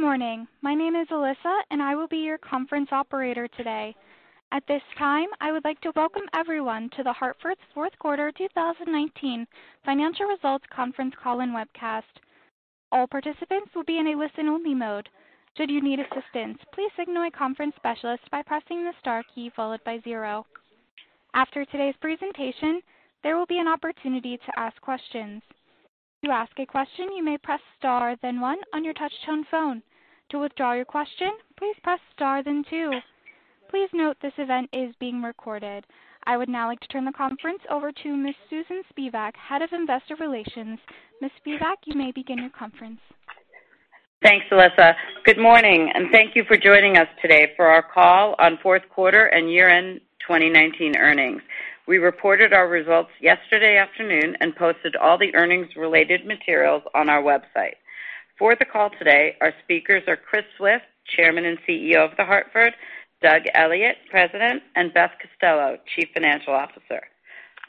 Good morning. My name is Alyssa. I will be your conference operator today. At this time, I would like to welcome everyone to The Hartford's fourth quarter 2019 financial results conference call and webcast. All participants will be in a listen-only mode. Should you need assistance, please signal a conference specialist by pressing the star key followed by zero. After today's presentation, there will be an opportunity to ask questions. To ask a question, you may press star then one on your touch-tone phone. To withdraw your question, please press star then two. Please note this event is being recorded. I would now like to turn the conference over to Miss Susan Spivak, Head of Investor Relations. Miss Spivak, you may begin your conference. Thanks, Alyssa. Good morning, and thank you for joining us today for our call on fourth quarter and year-end 2019 earnings. We reported our results yesterday afternoon and posted all the earnings-related materials on our website. For the call today, our speakers are Chris Swift, Chairman and CEO of The Hartford, Doug Elliot, President, and Beth Costello, Chief Financial Officer.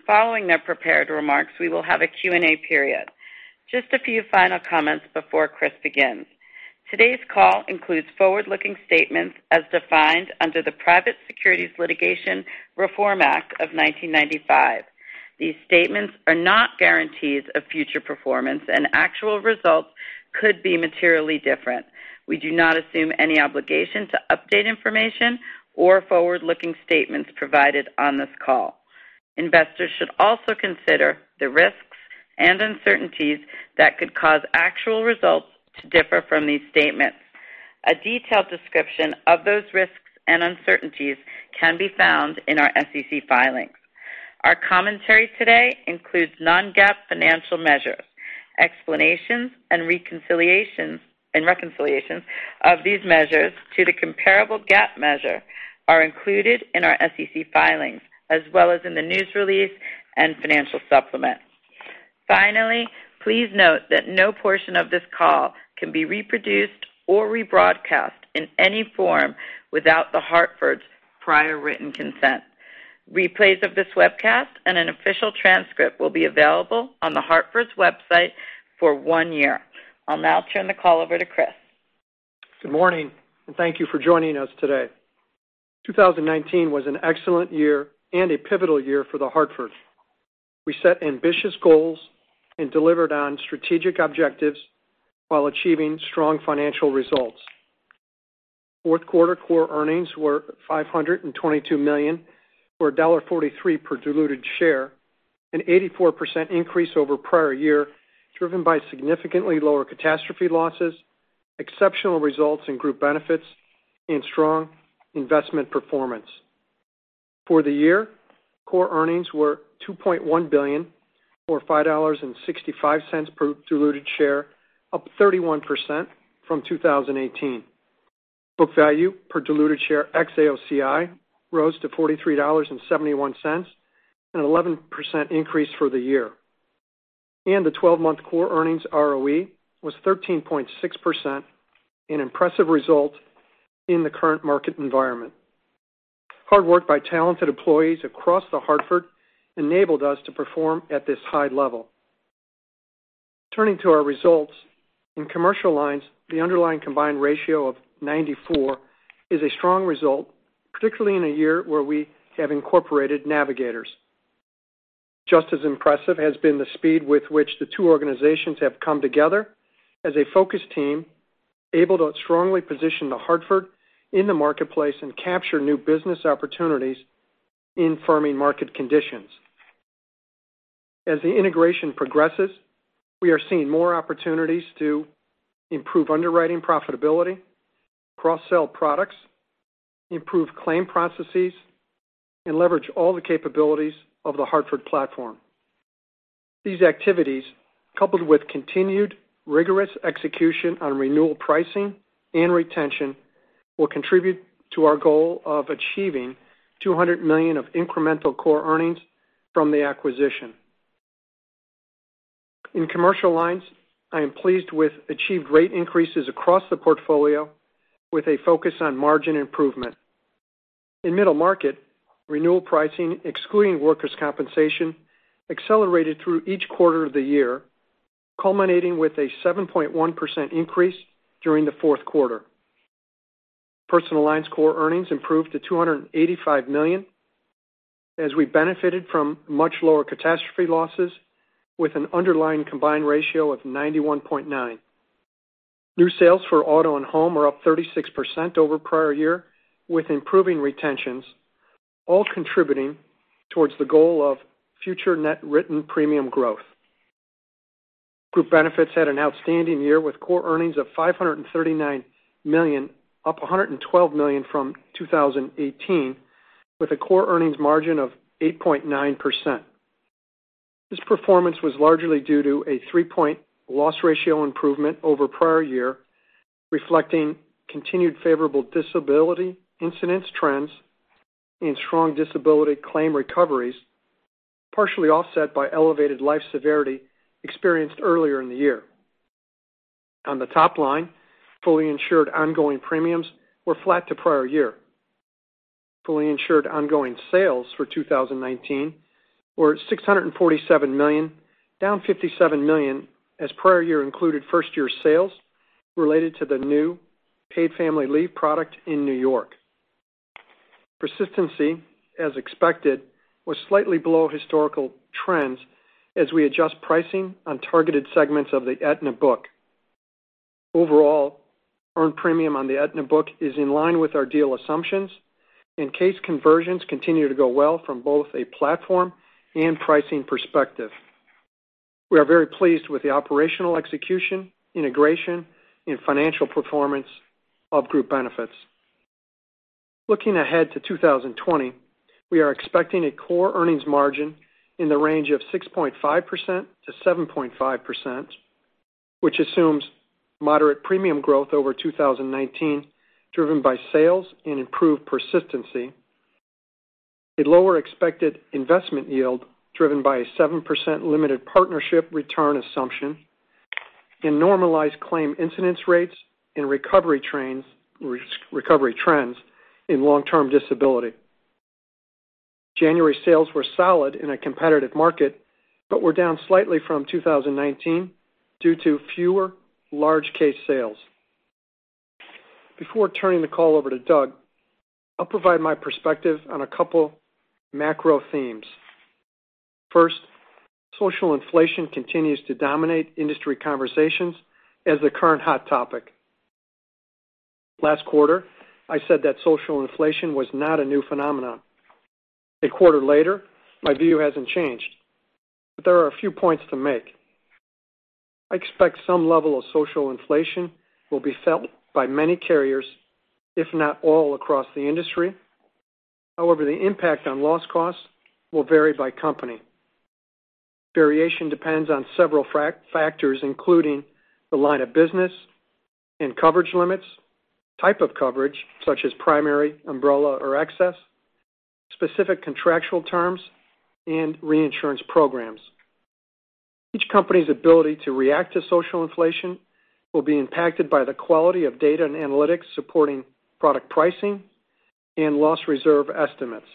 Following their prepared remarks, we will have a Q&A period. Just a few final comments before Chris begins. Today's call includes forward-looking statements as defined under the Private Securities Litigation Reform Act of 1995. These statements are not guarantees of future performance, and actual results could be materially different. We do not assume any obligation to update information or forward-looking statements provided on this call. Investors should also consider the risks and uncertainties that could cause actual results to differ from these statements. A detailed description of those risks and uncertainties can be found in our SEC filings. Our commentary today includes non-GAAP financial measures. Explanations and reconciliations of these measures to the comparable GAAP measure are included in our SEC filings, as well as in the news release and financial supplement. Finally, please note that no portion of this call can be reproduced or rebroadcast in any form without The Hartford's prior written consent. Replays of this webcast and an official transcript will be available on The Hartford's website for one year. I'll now turn the call over to Chris. Good morning. Thank you for joining us today. 2019 was an excellent year and a pivotal year for The Hartford. We set ambitious goals and delivered on strategic objectives while achieving strong financial results. Fourth quarter core earnings were $522 million, or $1.43 per diluted share, an 84% increase over prior year, driven by significantly lower catastrophe losses, exceptional results in Group Benefits, and strong investment performance. For the year, core earnings were $2.1 billion, or $5.65 per diluted share, up 31% from 2018. Book value per diluted share ex-AOCI rose to $43.71, an 11% increase for the year. The 12-month core earnings ROE was 13.6%, an impressive result in the current market environment. Hard work by talented employees across The Hartford enabled us to perform at this high level. Turning to our results, in Commercial Lines, the underlying combined ratio of 94% is a strong result, particularly in a year where we have incorporated Navigators. Just as impressive has been the speed with which the two organizations have come together as a focused team, able to strongly position The Hartford in the marketplace and capture new business opportunities in firming market conditions. As the integration progresses, we are seeing more opportunities to improve underwriting profitability, cross-sell products, improve claim processes, and leverage all the capabilities of The Hartford platform. These activities, coupled with continued rigorous execution on renewal pricing and retention, will contribute to our goal of achieving $200 million of incremental core earnings from the acquisition. In Commercial Lines, I am pleased with achieved rate increases across the portfolio with a focus on margin improvement. In middle market, renewal pricing, excluding workers' compensation, accelerated through each quarter of the year, culminating with a 7.1% increase during the fourth quarter. Personal Lines core earnings improved to $285 million as we benefited from much lower catastrophe losses with an underlying combined ratio of 91.9. New sales for auto and home are up 36% over prior year, with improving retentions, all contributing towards the goal of future net written premium growth. Group Benefits had an outstanding year with core earnings of $539 million, up $112 million from 2018, with a core earnings margin of 8.9%. This performance was largely due to a three-point loss ratio improvement over prior year, reflecting continued favorable disability incidence trends and strong disability claim recoveries, partially offset by elevated life severity experienced earlier in the year. On the top line, fully insured ongoing premiums were flat to prior year. Fully insured ongoing sales for 2019 were $647 million, down $57 million, as prior year included first-year sales related to the new paid family leave product in New York. Persistency, as expected, was slightly below historical trends as we adjust pricing on targeted segments of the Aetna book. Overall, earned premium on the Aetna book is in line with our deal assumptions and case conversions continue to go well from both a platform and pricing perspective. We are very pleased with the operational execution, integration, and financial performance of Group Benefits. Looking ahead to 2020, we are expecting a core earnings margin in the range of 6.5%-7.5%, which assumes moderate premium growth over 2019, driven by sales and improved persistency, a lower expected investment yield driven by a 7% limited partnership return assumption, and normalized claim incidence rates and recovery trends in long-term disability. January sales were solid in a competitive market, but were down slightly from 2019 due to fewer large case sales. Before turning the call over to Doug, I'll provide my perspective on a couple macro themes. Social inflation continues to dominate industry conversations as the current hot topic. Last quarter, I said that social inflation was not a new phenomenon. A quarter later, my view hasn't changed, but there are a few points to make. I expect some level of social inflation will be felt by many carriers, if not all, across the industry. However, the impact on loss costs will vary by company. Variation depends on several factors, including the line of business and coverage limits, type of coverage such as primary, umbrella, or excess, specific contractual terms, and reinsurance programs. Each company's ability to react to social inflation will be impacted by the quality of data and analytics supporting product pricing and loss reserve estimates.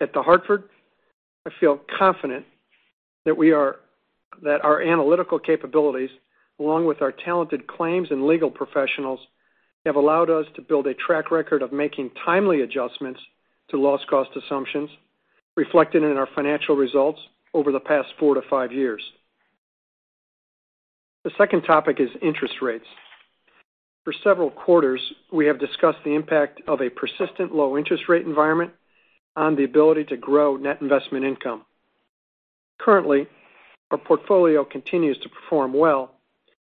At The Hartford, I feel confident that our analytical capabilities, along with our talented claims and legal professionals, have allowed us to build a track record of making timely adjustments to loss cost assumptions reflected in our financial results over the past four to five years. The second topic is interest rates. For several quarters, we have discussed the impact of a persistent low interest rate environment on the ability to grow net investment income. Currently, our portfolio continues to perform well,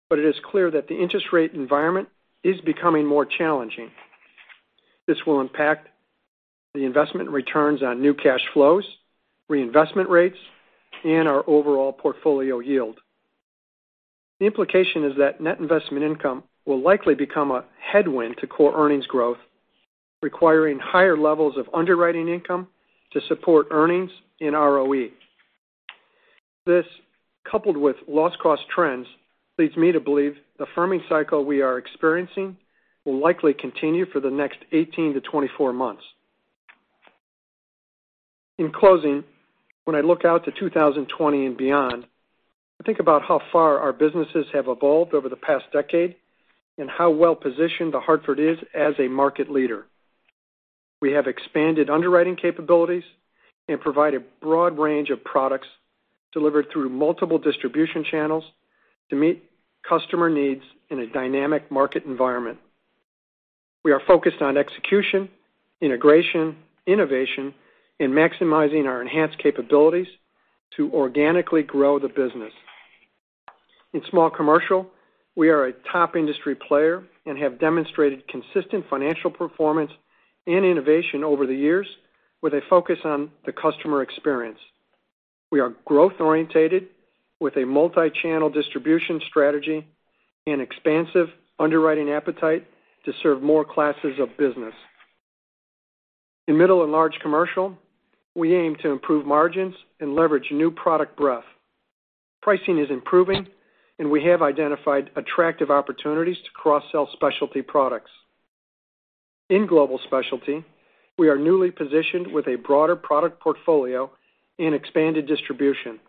but it is clear that the interest rate environment is becoming more challenging. This will impact the investment returns on new cash flows, reinvestment rates, and our overall portfolio yield. The implication is that core earnings will likely become a headwind to core earnings growth, requiring higher levels of underwriting income to support earnings and ROE. This, coupled with loss cost trends, leads me to believe the firming cycle we are experiencing will likely continue for the next 18-24 months. In closing, when I look out to 2020 and beyond, I think about how far our businesses have evolved over the past decade and how well-positioned The Hartford is as a market leader. We have expanded underwriting capabilities and provide a broad range of products delivered through multiple distribution channels to meet customer needs in a dynamic market environment. We are focused on execution, integration, innovation, and maximizing our enhanced capabilities to organically grow the business. In Small Commercial, we are a top industry player and have demonstrated consistent financial performance and innovation over the years with a focus on the customer experience. We are growth-orientated with a multi-channel distribution strategy and expansive underwriting appetite to serve more classes of business. In Middle & Large Commercial, we aim to improve margins and leverage new product breadth. Pricing is improving, and we have identified attractive opportunities to cross-sell specialty products. In Global Specialty, we are newly positioned with a broader product portfolio and expanded distribution.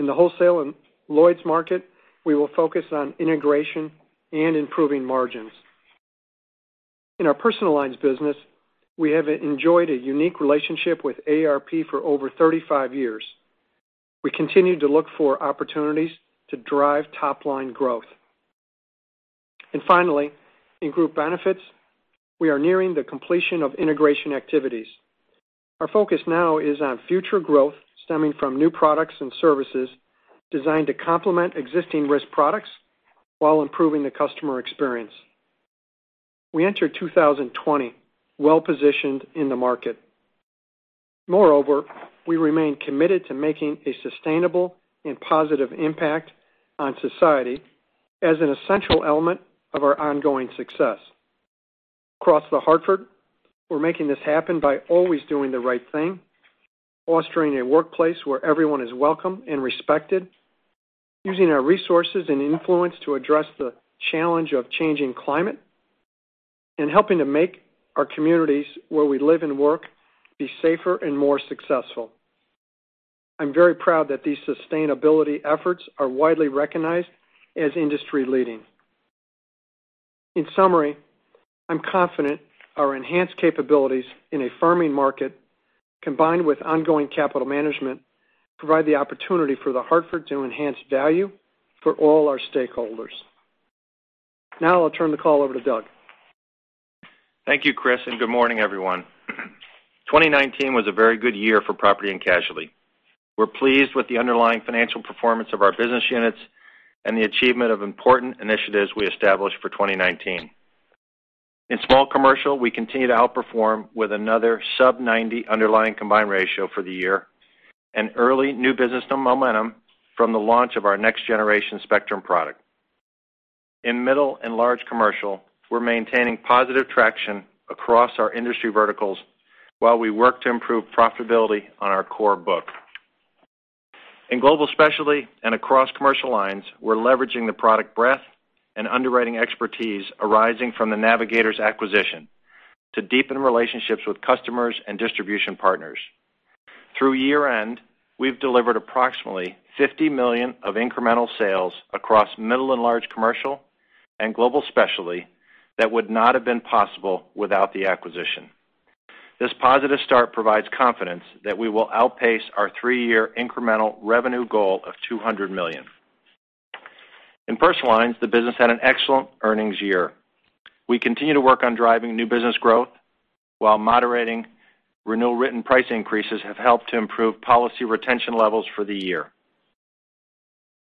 In the wholesale and Lloyd's market, we will focus on integration and improving margins. In our Personal Lines business, we have enjoyed a unique relationship with AARP for over 35 years. We continue to look for opportunities to drive top-line growth. Finally, in Group Benefits, we are nearing the completion of integration activities. Our focus now is on future growth stemming from new products and services designed to complement existing risk products while improving the customer experience. We enter 2020 well-positioned in the market. Moreover, we remain committed to making a sustainable and positive impact on society as an essential element of our ongoing success. Across The Hartford, we're making this happen by always doing the right thing, fostering a workplace where everyone is welcome and respected, using our resources and influence to address the challenge of changing climate and helping to make our communities where we live and work be safer and more successful. I'm very proud that these sustainability efforts are widely recognized as industry-leading. In summary, I'm confident our enhanced capabilities in a firming market, combined with ongoing capital management, provide the opportunity for The Hartford to enhance value for all our stakeholders. Now I'll turn the call over to Doug. Thank you, Chris. Good morning, everyone. 2019 was a very good year for property and casualty. We're pleased with the underlying financial performance of our business units and the achievement of important initiatives we established for 2019. In Small Commercial, we continue to outperform with another sub-90 underlying combined ratio for the year, and early new business momentum from the launch of our next-generation Spectrum product. In middle and large commercial, we're maintaining positive traction across our industry verticals while we work to improve profitability on our core book. In Global Specialty and across Commercial Lines, we're leveraging the product breadth and underwriting expertise arising from the Navigators acquisition to deepen relationships with customers and distribution partners. Through year-end, we've delivered approximately $50 million of incremental sales across middle and large commercial and Global Specialty that would not have been possible without the acquisition. This positive start provides confidence that we will outpace our three-year incremental revenue goal of $200 million. In Personal Lines, the business had an excellent earnings year. We continue to work on driving new business growth while moderating renewal written price increases have helped to improve policy retention levels for the year.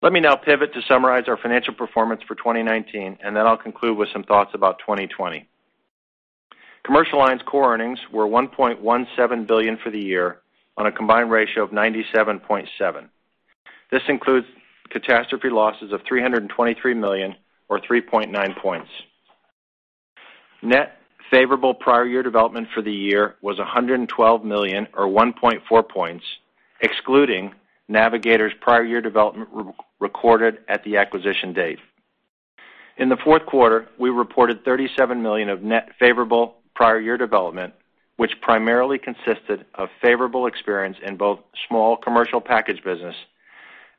Let me now pivot to summarize our financial performance for 2019. Then I'll conclude with some thoughts about 2020. Commercial Lines' core earnings were $1.17 billion for the year on a combined ratio of 97.7%. This includes catastrophe losses of $323 million or 3.9 points. Net favorable prior year development for the year was $112 million or 1.4 points, excluding Navigators' prior year development recorded at the acquisition date. In the fourth quarter, we reported $37 million of net favorable prior year development, which primarily consisted of favorable experience in both Small Commercial package business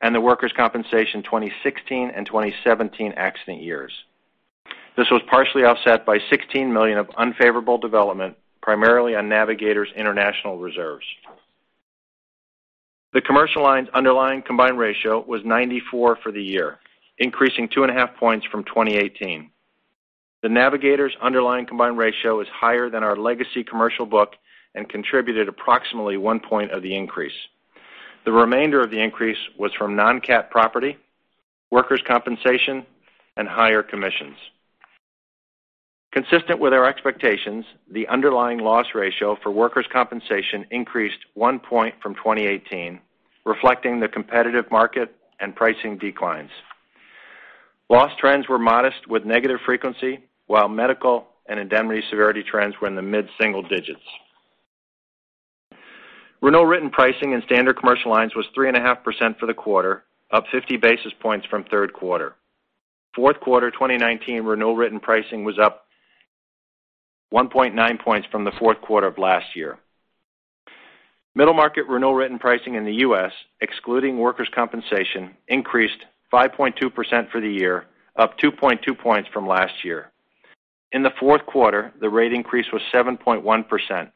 and the Workers' Compensation 2016 and 2017 accident years. This was partially offset by $16 million of unfavorable development, primarily on Navigators' international reserves. The Commercial Lines' underlying combined ratio was 94 for the year, increasing two and a half points from 2018. The Navigators' underlying combined ratio is higher than our legacy commercial book and contributed approximately one point of the increase. The remainder of the increase was from non-cat property, Workers' Compensation, and higher commissions. Consistent with our expectations, the underlying loss ratio for Workers' Compensation increased one point from 2018, reflecting the competitive market and pricing declines. Loss trends were modest with negative frequency, while medical and indemnity severity trends were in the mid-single digits. Renewal written pricing in Standard Commercial Lines was 3.5% for the quarter, up 50 basis points from third quarter. Fourth quarter 2019 renewal written pricing was up 1.9 points from the fourth quarter of last year. Middle market renewal written pricing in the U.S., excluding workers' compensation, increased 5.2% for the year, up 2.2 points from last year. In the fourth quarter, the rate increase was 7.1%,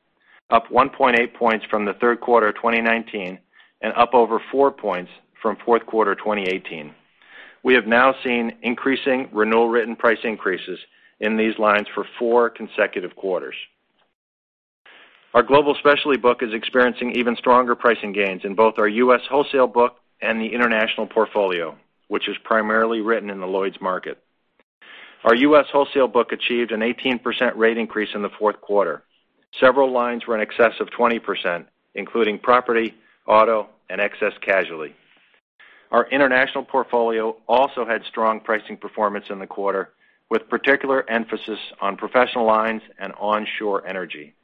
up 1.8 points from the third quarter of 2019 and up over four points from fourth quarter 2018. We have now seen increasing renewal written price increases in these lines for four consecutive quarters. Our Global Specialty book is experiencing even stronger pricing gains in both our U.S. wholesale book and the international portfolio, which is primarily written in the Lloyd's market. Our U.S. wholesale book achieved an 18% rate increase in the fourth quarter. Several lines were in excess of 20%, including property, auto, and excess casualty. Our international portfolio also had strong pricing performance in the quarter, with particular emphasis on professional lines and onshore energy.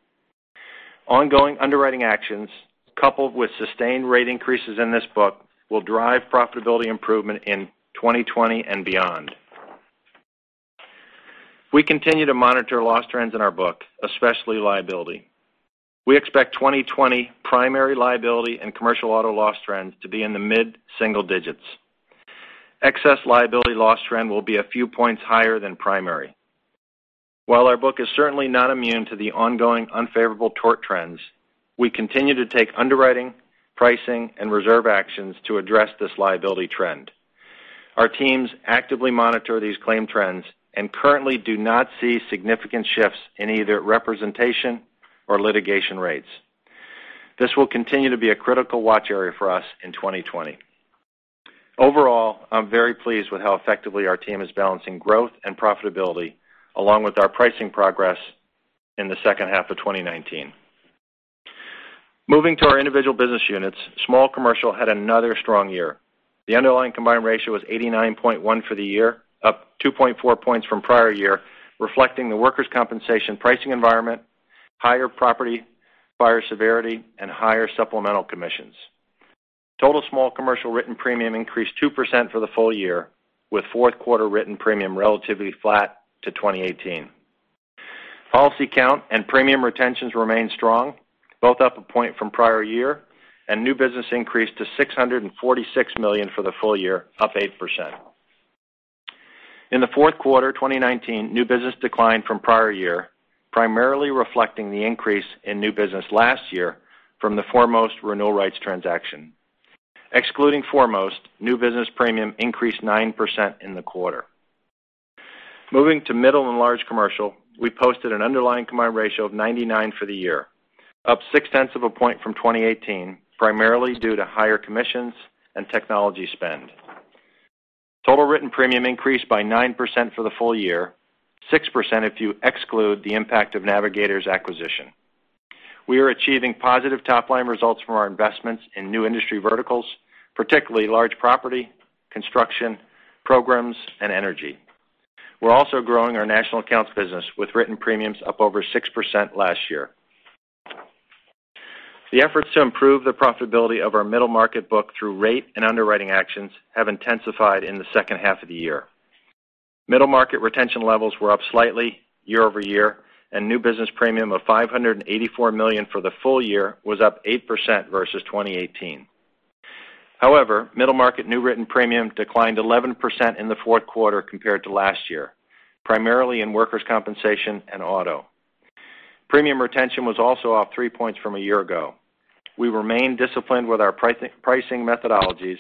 Ongoing underwriting actions coupled with sustained rate increases in this book will drive profitability improvement in 2020 and beyond. We continue to monitor loss trends in our book, especially liability. We expect 2020 primary liability and commercial auto loss trends to be in the mid-single digits. Excess liability loss trend will be a few points higher than primary. While our book is certainly not immune to the ongoing unfavorable tort trends, we continue to take underwriting, pricing, and reserve actions to address this liability trend. Our teams actively monitor these claim trends and currently do not see significant shifts in either representation or litigation rates. This will continue to be a critical watch area for us in 2020. Overall, I'm very pleased with how effectively our team is balancing growth and profitability, along with our pricing progress in the second half of 2019. Moving to our individual business units, Small Commercial had another strong year. The underlying combined ratio was 89.1 for the year, up 2.4 points from prior year, reflecting the workers' compensation pricing environment, higher property fire severity and higher supplemental commissions. Total Small Commercial written premium increased 2% for the full year, with fourth quarter written premium relatively flat to 2018. Policy count and premium retentions remained strong, both up a point from prior year, and new business increased to $646 million for the full year, up 8%. In the fourth quarter 2019, new business declined from prior year, primarily reflecting the increase in new business last year from the Foremost renewal rights transaction. Excluding Foremost, new business premium increased 9% in the quarter. Moving to Middle & Large Commercial, we posted an underlying combined ratio of 99 for the year, up six tenths of a point from 2018, primarily due to higher commissions and technology spend. Total written premium increased by 9% for the full year, 6% if you exclude the impact of Navigators acquisition. We are achieving positive top-line results from our investments in new industry verticals, particularly large property, construction, programs, and energy. We're also growing our National Accounts business with written premiums up over 6% last year. The efforts to improve the profitability of our middle market book through rate and underwriting actions have intensified in the second half of the year. Middle market retention levels were up slightly year-over-year, and new business premium of $584 million for the full year was up 8% versus 2018. However, middle market new written premium declined 11% in the fourth quarter compared to last year, primarily in workers' compensation and auto. Premium retention was also off three points from a year ago. We remain disciplined with our pricing methodologies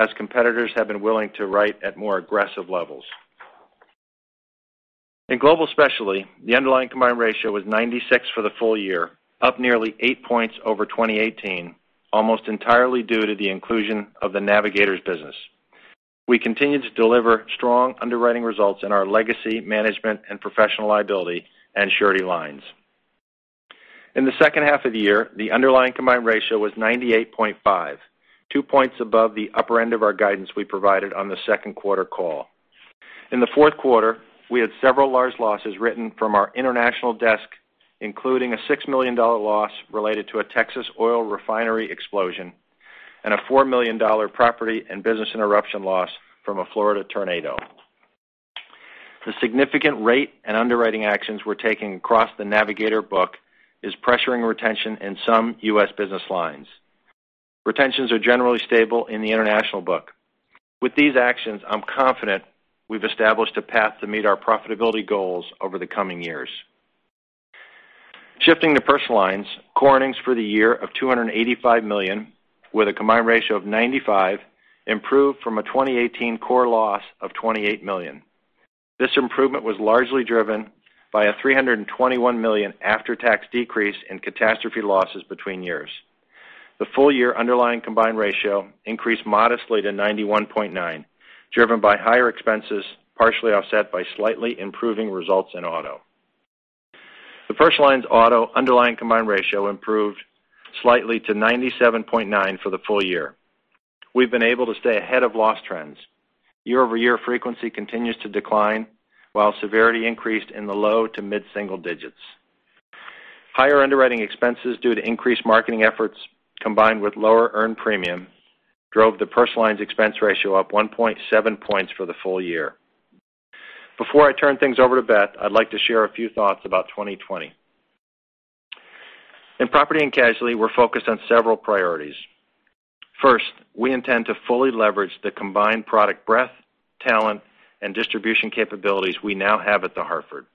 as competitors have been willing to write at more aggressive levels. In Global Specialty, the underlying combined ratio was 96 for the full year, up nearly eight points over 2018, almost entirely due to the inclusion of the Navigators. We continue to deliver strong underwriting results in our legacy management and professional liability and surety lines. In the second half of the year, the underlying combined ratio was 98.5, two points above the upper end of our guidance we provided on the second quarter call. In the fourth quarter, we had several large losses written from our international desk, including a $6 million loss related to a Texas oil refinery explosion and a $4 million property and business interruption loss from a Florida tornado. The significant rate and underwriting actions we're taking across the Navigators book is pressuring retention in some U.S. business lines. Retentions are generally stable in the international book. With these actions, I'm confident we've established a path to meet our profitability goals over the coming years. Shifting to Personal Lines, core earnings for the year of $285 million with a combined ratio of 95% improved from a 2018 core loss of $28 million. This improvement was largely driven by a $321 million after-tax decrease in catastrophe losses between years. The full year underlying combined ratio increased modestly to 91.9, driven by higher expenses, partially offset by slightly improving results in auto. The Personal Lines auto underlying combined ratio improved slightly to 97.9 for the full year. We've been able to stay ahead of loss trends. Year-over-year frequency continues to decline while severity increased in the low to mid-single digits. Higher underwriting expenses due to increased marketing efforts combined with lower earned premium drove the Personal Lines expense ratio up 1.7 points for the full year. Before I turn things over to Beth, I'd like to share a few thoughts about 2020. In property and casualty, we're focused on several priorities. First, we intend to fully leverage the combined product breadth, talent, and distribution capabilities we now have at The Hartford.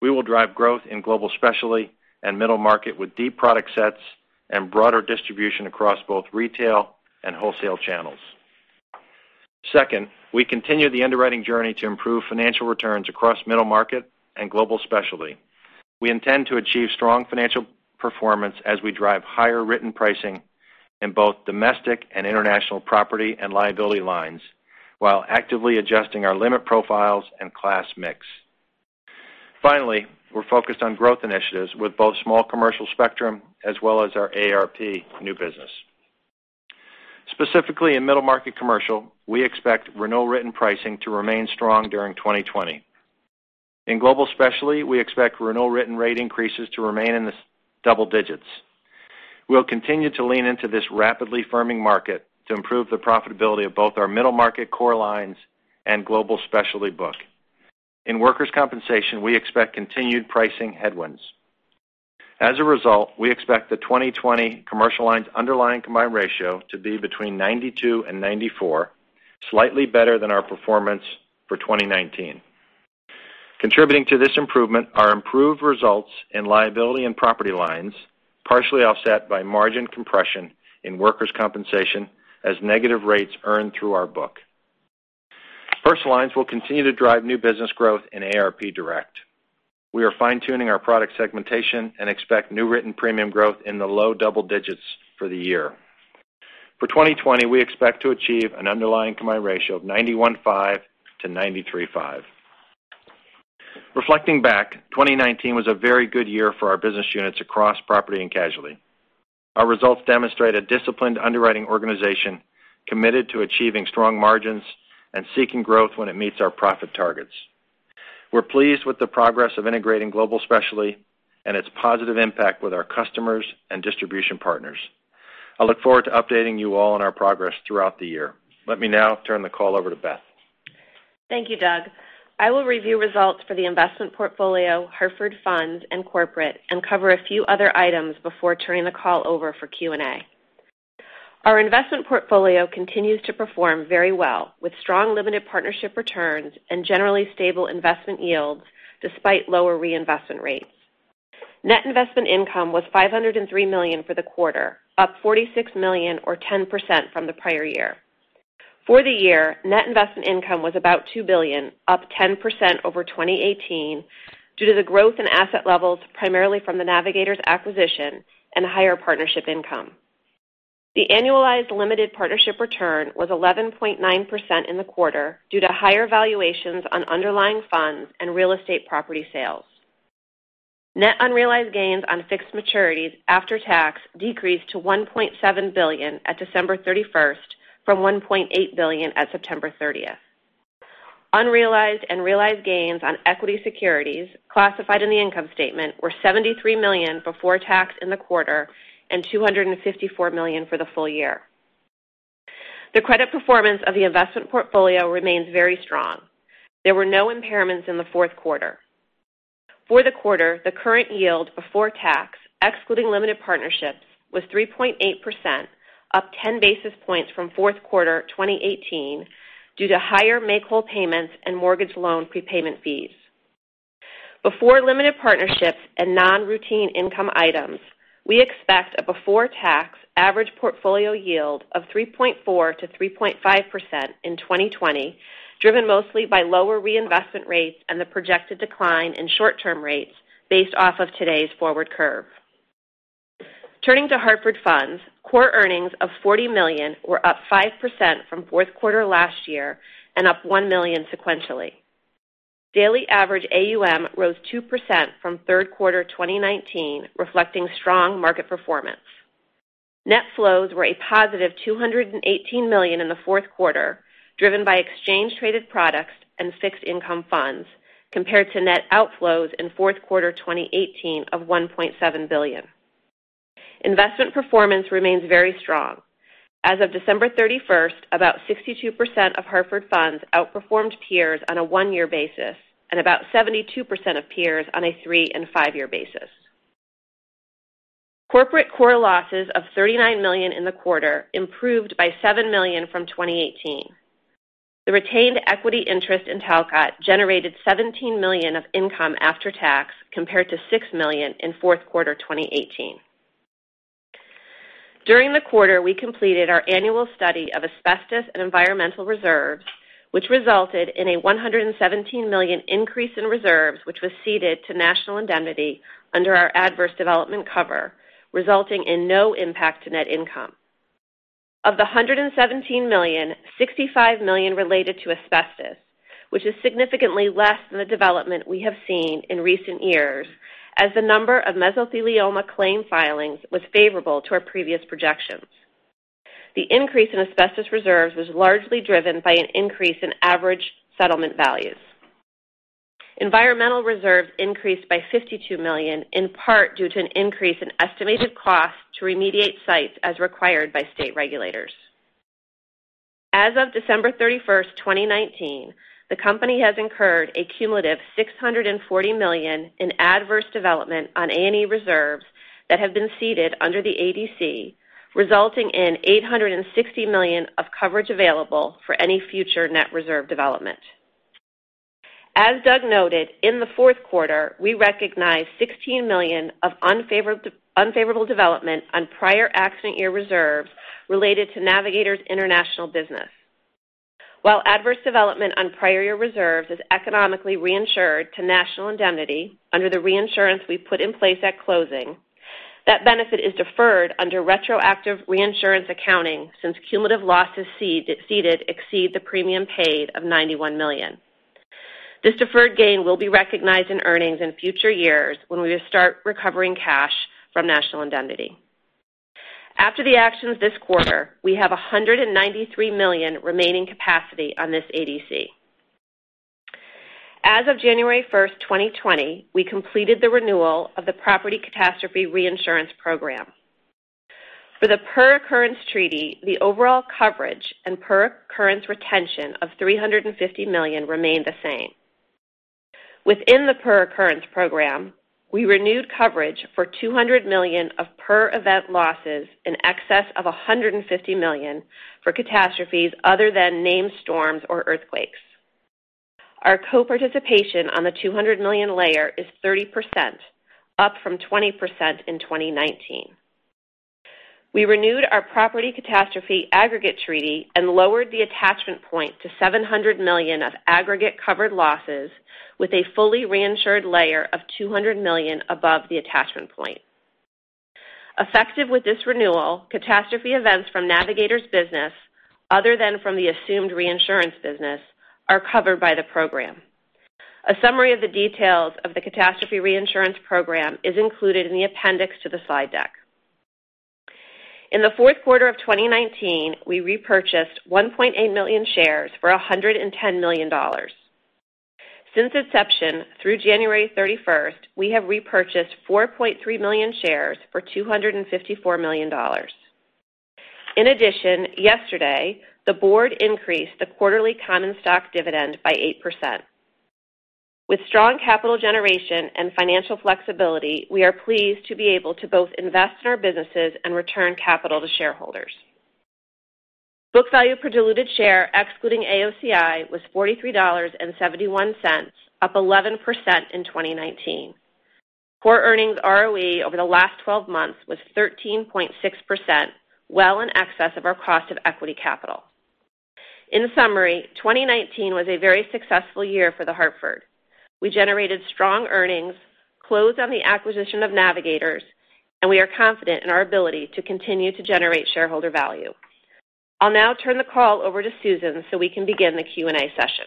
We will drive growth in Global Specialty and middle market with deep product sets and broader distribution across both retail and wholesale channels. Second, we continue the underwriting journey to improve financial returns across middle market and Global Specialty. We intend to achieve strong financial performance as we drive higher written pricing in both domestic and international property and liability lines while actively adjusting our limit profiles and class mix. Finally, we're focused on growth initiatives with both Small Commercial Spectrum as well as our AARP new business. Specifically in middle market commercial, we expect renewal written pricing to remain strong during 2020. In Global Specialty, we expect renewal written rate increases to remain in the double digits. We'll continue to lean into this rapidly firming market to improve the profitability of both our middle market core lines and Global Specialty book. In workers' compensation, we expect continued pricing headwinds. We expect the 2020 Commercial Lines underlying combined ratio to be between 92% and 94%, slightly better than our performance for 2019. Contributing to this improvement are improved results in liability and property lines, partially offset by margin compression in workers' compensation as negative rates earned through our book. Personal Lines will continue to drive new business growth in AARP Direct. We are fine-tuning our product segmentation and expect net written premium growth in the low double digits for the year. For 2020, we expect to achieve an underlying combined ratio of 91.5%-93.5%. 2019 was a very good year for our business units across property and casualty. Our results demonstrate a disciplined underwriting organization committed to achieving strong margins and seeking growth when it meets our profit targets. We're pleased with the progress of integrating Global Specialty and its positive impact with our customers and distribution partners. I look forward to updating you all on our progress throughout the year. Let me now turn the call over to Beth. Thank you, Doug. I will review results for the investment portfolio, Hartford Funds, and corporate, and cover a few other items before turning the call over for Q&A. Our investment portfolio continues to perform very well, with strong limited partnership returns and generally stable investment yields despite lower reinvestment rates. Net investment income was $503 million for the quarter, up $46 million or 10% from the prior year. For the year, net investment income was about $2 billion, up 10% over 2018 due to the growth in asset levels, primarily from the Navigators acquisition and higher partnership income. The annualized limited partnership return was 11.9% in the quarter due to higher valuations on underlying funds and real estate property sales. Net unrealized gains on fixed maturities after tax decreased to $1.7 billion at December 31st from $1.8 billion at September 30th. Unrealized and realized gains on equity securities classified in the income statement were $73 million before tax in the quarter and $254 million for the full year. The credit performance of the investment portfolio remains very strong. There were no impairments in the fourth quarter. For the quarter, the current yield before tax, excluding limited partnerships, was 3.8%, up 10 basis points from fourth quarter 2018 due to higher make-whole payments and mortgage loan prepayment fees. Before limited partnerships and non-routine income items, we expect a before-tax average portfolio yield of 3.4%-3.5% in 2020, driven mostly by lower reinvestment rates and the projected decline in short-term rates based off of today's forward curve. Turning to Hartford Funds, core earnings of $40 million were up 5% from fourth quarter last year and up $1 million sequentially. Daily average AUM rose 2% from third quarter 2019, reflecting strong market performance. Net flows were a positive $218 million in the fourth quarter, driven by exchange-traded products and fixed income funds, compared to net outflows in fourth quarter 2018 of $1.7 billion. Investment performance remains very strong. As of December 31st, about 62% of Hartford Funds outperformed peers on a one-year basis and about 72% of peers on a three- and five-year basis. Corporate core losses of $39 million in the quarter improved by $7 million from 2018. The retained equity interest in Talcott generated $17 million of income after tax, compared to $6 million in fourth quarter 2018. During the quarter, we completed our annual study of asbestos and environmental reserves, which resulted in a $117 million increase in reserves, which was ceded to National Indemnity under our adverse development cover, resulting in no impact to net income. Of the $117 million, $65 million related to asbestos, which is significantly less than the development we have seen in recent years as the number of mesothelioma claim filings was favorable to our previous projections. The increase in asbestos reserves was largely driven by an increase in average settlement values. Environmental reserves increased by $52 million, in part due to an increase in estimated costs to remediate sites as required by state regulators. As of December 31st, 2019, the company has incurred a cumulative $640 million in adverse development on A&E reserves that have been ceded under the ADC, resulting in $860 million of coverage available for any future net reserve development. As Doug noted, in the fourth quarter, we recognized $16 million of unfavorable development on prior accident year reserves related to Navigators International business. While adverse development on prior year reserves is economically reinsured to National Indemnity under the reinsurance we put in place at closing, that benefit is deferred under retroactive reinsurance accounting, since cumulative losses ceded exceed the premium paid of $91 million. This deferred gain will be recognized in earnings in future years when we start recovering cash from National Indemnity. After the actions this quarter, we have $193 million remaining capacity on this ADC. As of January 1st, 2020, we completed the renewal of the property catastrophe reinsurance program. For the per-occurrence treaty, the overall coverage and per-occurrence retention of $350 million remain the same. Within the per-occurrence program, we renewed coverage for $200 million of per-event losses in excess of $150 million for catastrophes other than named storms or earthquakes. Our co-participation on the $200 million layer is 30%, up from 20% in 2019. We renewed our property catastrophe aggregate treaty and lowered the attachment point to $700 million of aggregate covered losses with a fully reinsured layer of $200 million above the attachment point. Effective with this renewal, catastrophe events from Navigators' business, other than from the assumed reinsurance business, are covered by the program. A summary of the details of the catastrophe reinsurance program is included in the appendix to the slide deck. In the fourth quarter of 2019, we repurchased 1.8 million shares for $110 million. Since inception, through January 31st, we have repurchased 4.3 million shares for $254 million. Yesterday, the board increased the quarterly common stock dividend by 8%. With strong capital generation and financial flexibility, we are pleased to be able to both invest in our businesses and return capital to shareholders. Book value per diluted share, excluding AOCI, was $43.71, up 11% in 2019. Core earnings ROE over the last 12 months was 13.6%, well in excess of our cost of equity capital. In summary, 2019 was a very successful year for The Hartford. We generated strong earnings, closed on the acquisition of Navigators, and we are confident in our ability to continue to generate shareholder value. I'll now turn the call over to Susan so we can begin the Q&A session.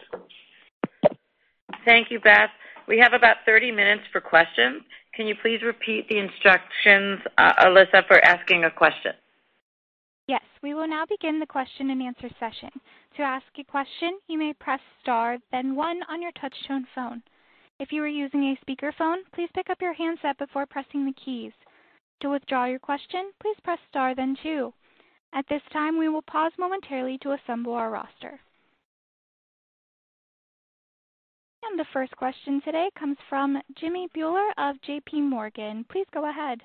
Thank you, Beth. We have about 30 minutes for questions. Can you please repeat the instructions, Alyssa, for asking a question? Yes. We will now begin the question-and-answer session. To ask a question, you may press star then one on your touchtone phone. If you are using a speakerphone, please pick up your handset before pressing the keys. To withdraw your question, please press star then two. At this time, we will pause momentarily to assemble our roster. The first question today comes from Jimmy Bhullar of JPMorgan. Please go ahead.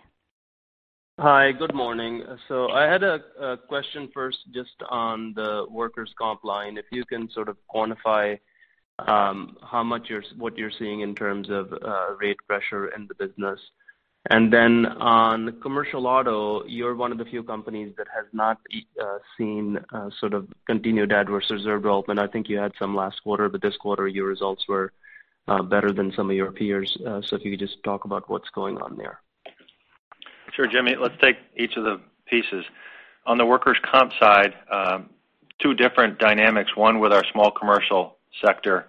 Hi. Good morning. I had a question first just on the workers' comp line, if you can sort of quantify what you're seeing in terms of rate pressure in the business. On commercial auto, you're one of the few companies that has not seen sort of continued adverse reserve development. I think you had some last quarter, this quarter your results were better than some of your peers. If you could just talk about what's going on there. Sure, Jimmy. Let's take each of the pieces. On the workers' comp side, two different dynamics. One with our small commercial sector,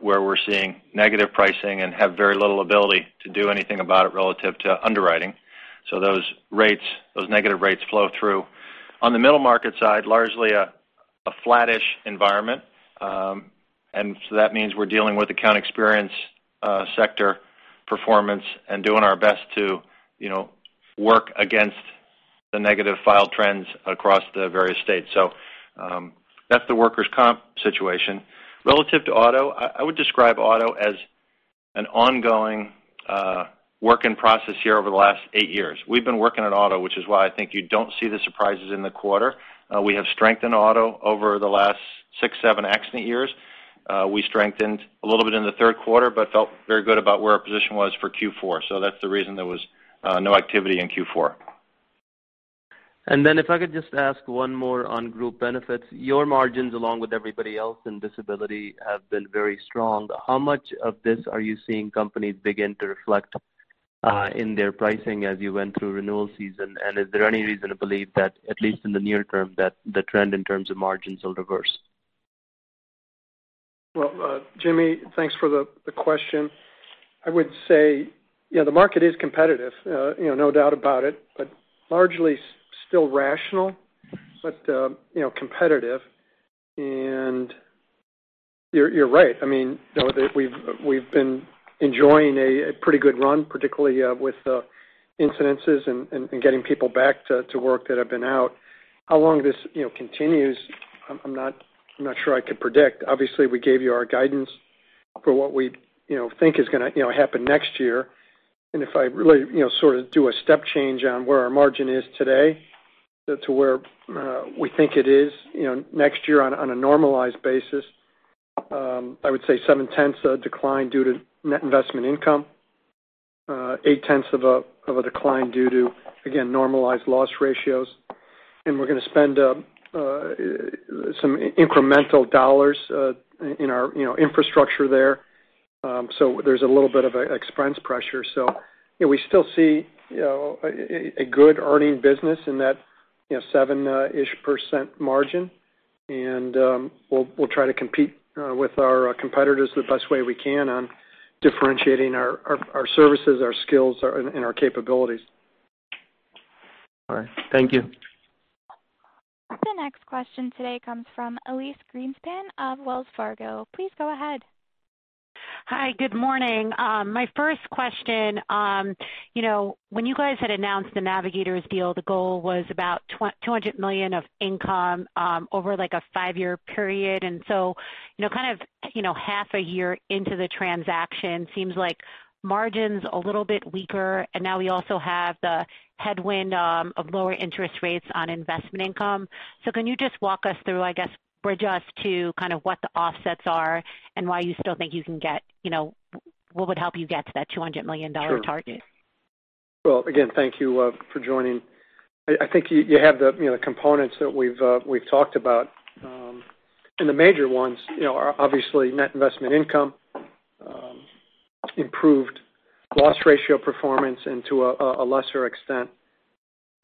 where we're seeing negative pricing and have very little ability to do anything about it relative to underwriting. Those negative rates flow through. On the middle market side, largely a flattish environment. That means we're dealing with account experience sector performance and doing our best to work against the negative file trends across the various states. That's the workers' comp situation. Relative to auto, I would describe auto as an ongoing work in process here over the last eight years. We've been working on auto, which is why I think you don't see the surprises in the quarter. We have strengthened auto over the last six, seven accident years. We strengthened a little bit in the third quarter, but felt very good about where our position was for Q4. That's the reason there was no activity in Q4. If I could just ask one more on Group Benefits. Your margins, along with everybody else in disability, have been very strong. How much of this are you seeing companies begin to reflect in their pricing as you went through renewal season? Is there any reason to believe that, at least in the near term, that the trend in terms of margins will reverse? Well, Jimmy, thanks for the question. I would say, the market is competitive, no doubt about it, largely still rational. Competitive. You're right. We've been enjoying a pretty good run, particularly with incidences and getting people back to work that have been out. How long this continues, I'm not sure I could predict. Obviously, we gave you our guidance for what we think is going to happen next year. If I really sort of do a step change on where our margin is today to where we think it is next year on a normalized basis, I would say seven-tenths a decline due to net investment income, eight-tenths of a decline due to, again, normalized loss ratios. We're going to spend some incremental dollars in our infrastructure there. There's a little bit of expense pressure. We still see a good earning business in that 7-ish% margin, and we'll try to compete with our competitors the best way we can on differentiating our services, our skills, and our capabilities. All right. Thank you. The next question today comes from Elyse Greenspan of Wells Fargo. Please go ahead. Hi. Good morning. My first question. When you guys had announced the Navigators deal, the goal was about $200 million of income over a five-year period. Half a year into the transaction, seems like margin's a little bit weaker, and now we also have the headwind of lower interest rates on investment income. Can you just walk us through, I guess, bridge us to kind of what the offsets are and what would help you get to that $200 million target? Sure. Well, again, thank you for joining. I think you have the components that we've talked about. The major ones are obviously net investment income, improved loss ratio performance, and to a lesser extent.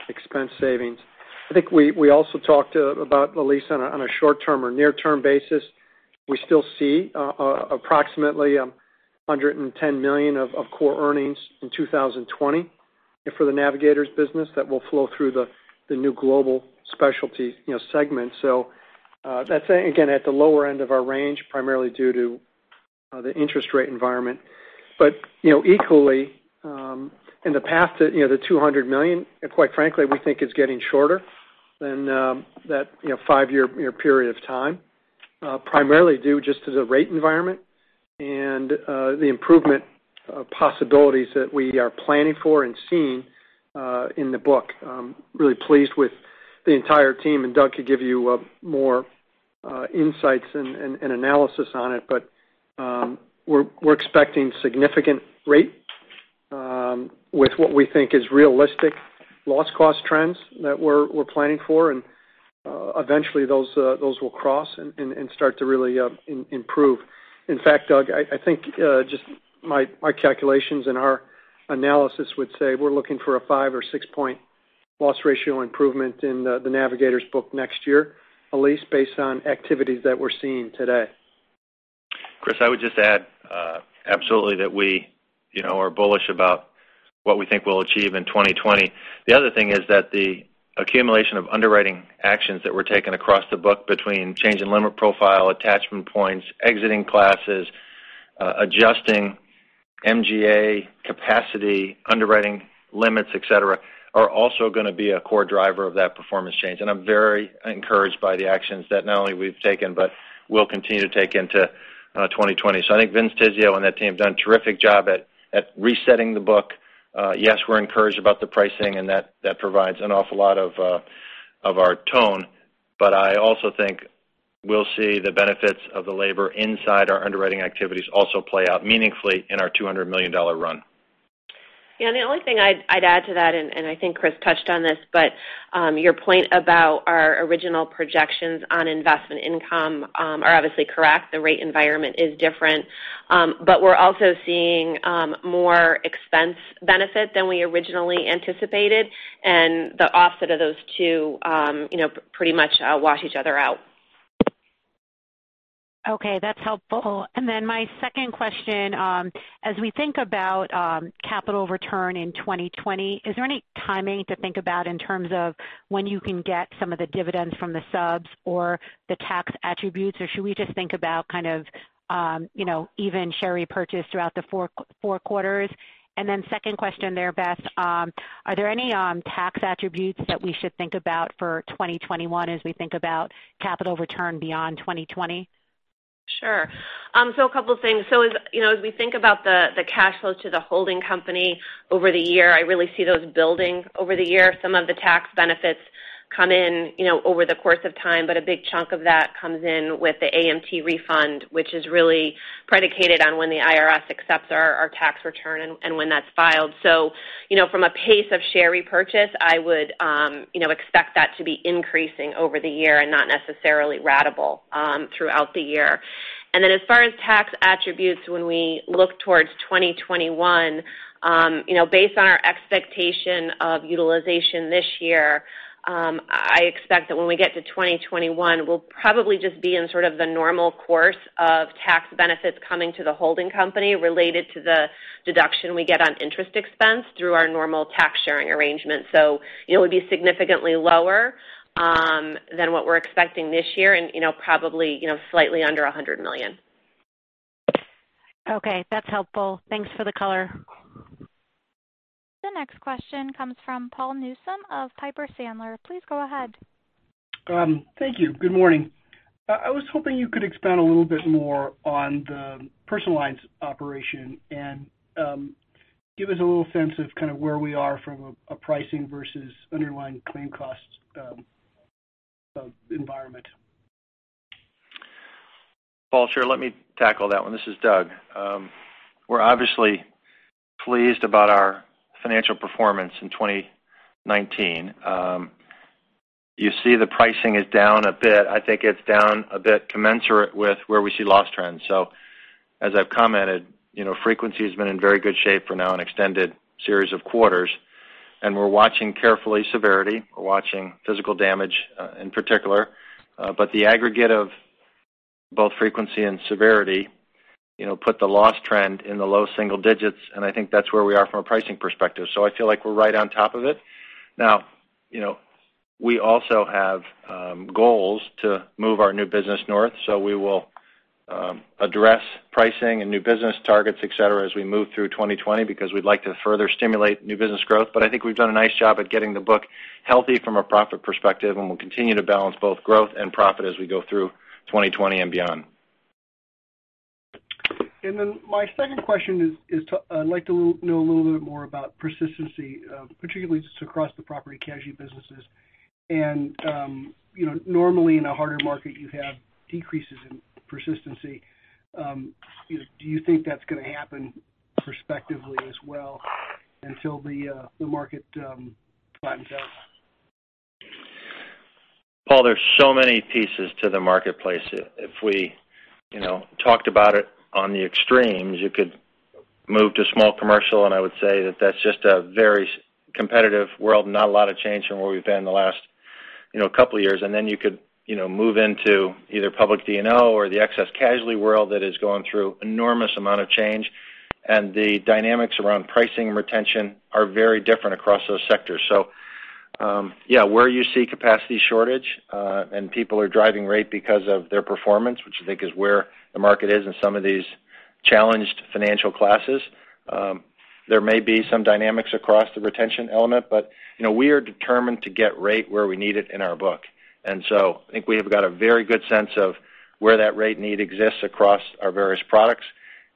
expense savings. I think we also talked about, Elyse, on a short-term or near-term basis, we still see approximately $110 million of core earnings in 2020 for the Navigators business that will flow through the new Global Specialty segment. That's, again, at the lower end of our range, primarily due to the interest rate environment. Equally, in the path to the $200 million, quite frankly, we think is getting shorter than that five-year period of time, primarily due just to the rate environment and the improvement possibilities that we are planning for and seeing in the book. Really pleased with the entire team, Doug could give you more insights and analysis on it. We're expecting significant rate with what we think is realistic loss cost trends that we're planning for, and eventually those will cross and start to really improve. In fact, Doug, I think just my calculations and our analysis would say we're looking for a five or six-point loss ratio improvement in the Navigators book next year, Elyse, based on activities that we're seeing today. Chris, I would just add, absolutely that we are bullish about what we think we'll achieve in 2020. The other thing is that the accumulation of underwriting actions that were taken across the book between change in limit profile, attachment points, exiting classes, adjusting MGA capacity, underwriting limits, et cetera, are also going to be a core driver of that performance change. I'm very encouraged by the actions that not only we've taken, but will continue to take into 2020. I think Vince Tizzio and that team have done a terrific job at resetting the book. Yes, we're encouraged about the pricing, and that provides an awful lot of our tone. I also think we'll see the benefits of the labor inside our underwriting activities also play out meaningfully in our $200 million run. Yeah, the only thing I'd add to that, and I think Chris touched on this, but your point about our original projections on investment income are obviously correct. The rate environment is different. We're also seeing more expense benefit than we originally anticipated, and the offset of those two pretty much wash each other out. Okay, that's helpful. My second question, as we think about capital return in 2020, is there any timing to think about in terms of when you can get some of the dividends from the subs or the tax attributes, or should we just think about kind of even share repurchase throughout the four quarters? Second question there, Beth, are there any tax attributes that we should think about for 2021 as we think about capital return beyond 2020? Sure. A couple of things. As we think about the cash flow to the holding company over the year, I really see those building over the year. Some of the tax benefits come in over the course of time, but a big chunk of that comes in with the AMT refund, which is really predicated on when the IRS accepts our tax return and when that's filed. From a pace of share repurchase, I would expect that to be increasing over the year and not necessarily ratable throughout the year. As far as tax attributes, when we look towards 2021, based on our expectation of utilization this year, I expect that when we get to 2021, we'll probably just be in sort of the normal course of tax benefits coming to the holding company related to the deduction we get on interest expense through our normal tax sharing arrangement. It would be significantly lower than what we're expecting this year and probably slightly under $100 million. Okay, that's helpful. Thanks for the color. The next question comes from Paul Newsome of Piper Sandler. Please go ahead. Thank you. Good morning. I was hoping you could expand a little bit more on the Personal Lines operation and give us a little sense of kind of where we are from a pricing versus underlying claim cost environment? Paul, sure. Let me tackle that one. This is Doug. We're obviously pleased about our financial performance in 2019. You see the pricing is down a bit. I think it's down a bit commensurate with where we see loss trends. As I've commented, frequency has been in very good shape for now an extended series of quarters, and we're watching carefully severity. We're watching physical damage in particular. The aggregate of both frequency and severity put the loss trend in the low single digits, and I think that's where we are from a pricing perspective. I feel like we're right on top of it. Now, we also have goals to move our new business north. We will address pricing and new business targets, et cetera, as we move through 2020 because we'd like to further stimulate new business growth. I think we've done a nice job at getting the book healthy from a profit perspective, and we'll continue to balance both growth and profit as we go through 2020 and beyond. My second question is I'd like to know a little bit more about persistency, particularly just across the property casualty businesses. Normally in a harder market, you have decreases in persistency. Do you think that's going to happen prospectively as well until the market flattens out? Paul, there's so many pieces to the marketplace. If we talked about it on the extremes, you could move to Small Commercial, I would say that that's just a very competitive world, not a lot of change from where we've been the last couple of years. Then you could move into either public D&O or the excess casualty world that is going through enormous amount of change, and the dynamics around pricing and retention are very different across those sectors. Yeah, where you see capacity shortage, and people are driving rate because of their performance, which I think is where the market is in some of these challenged financial classes. There may be some dynamics across the retention element, we are determined to get rate where we need it in our book. I think we have got a very good sense of where that rate need exists across our various products.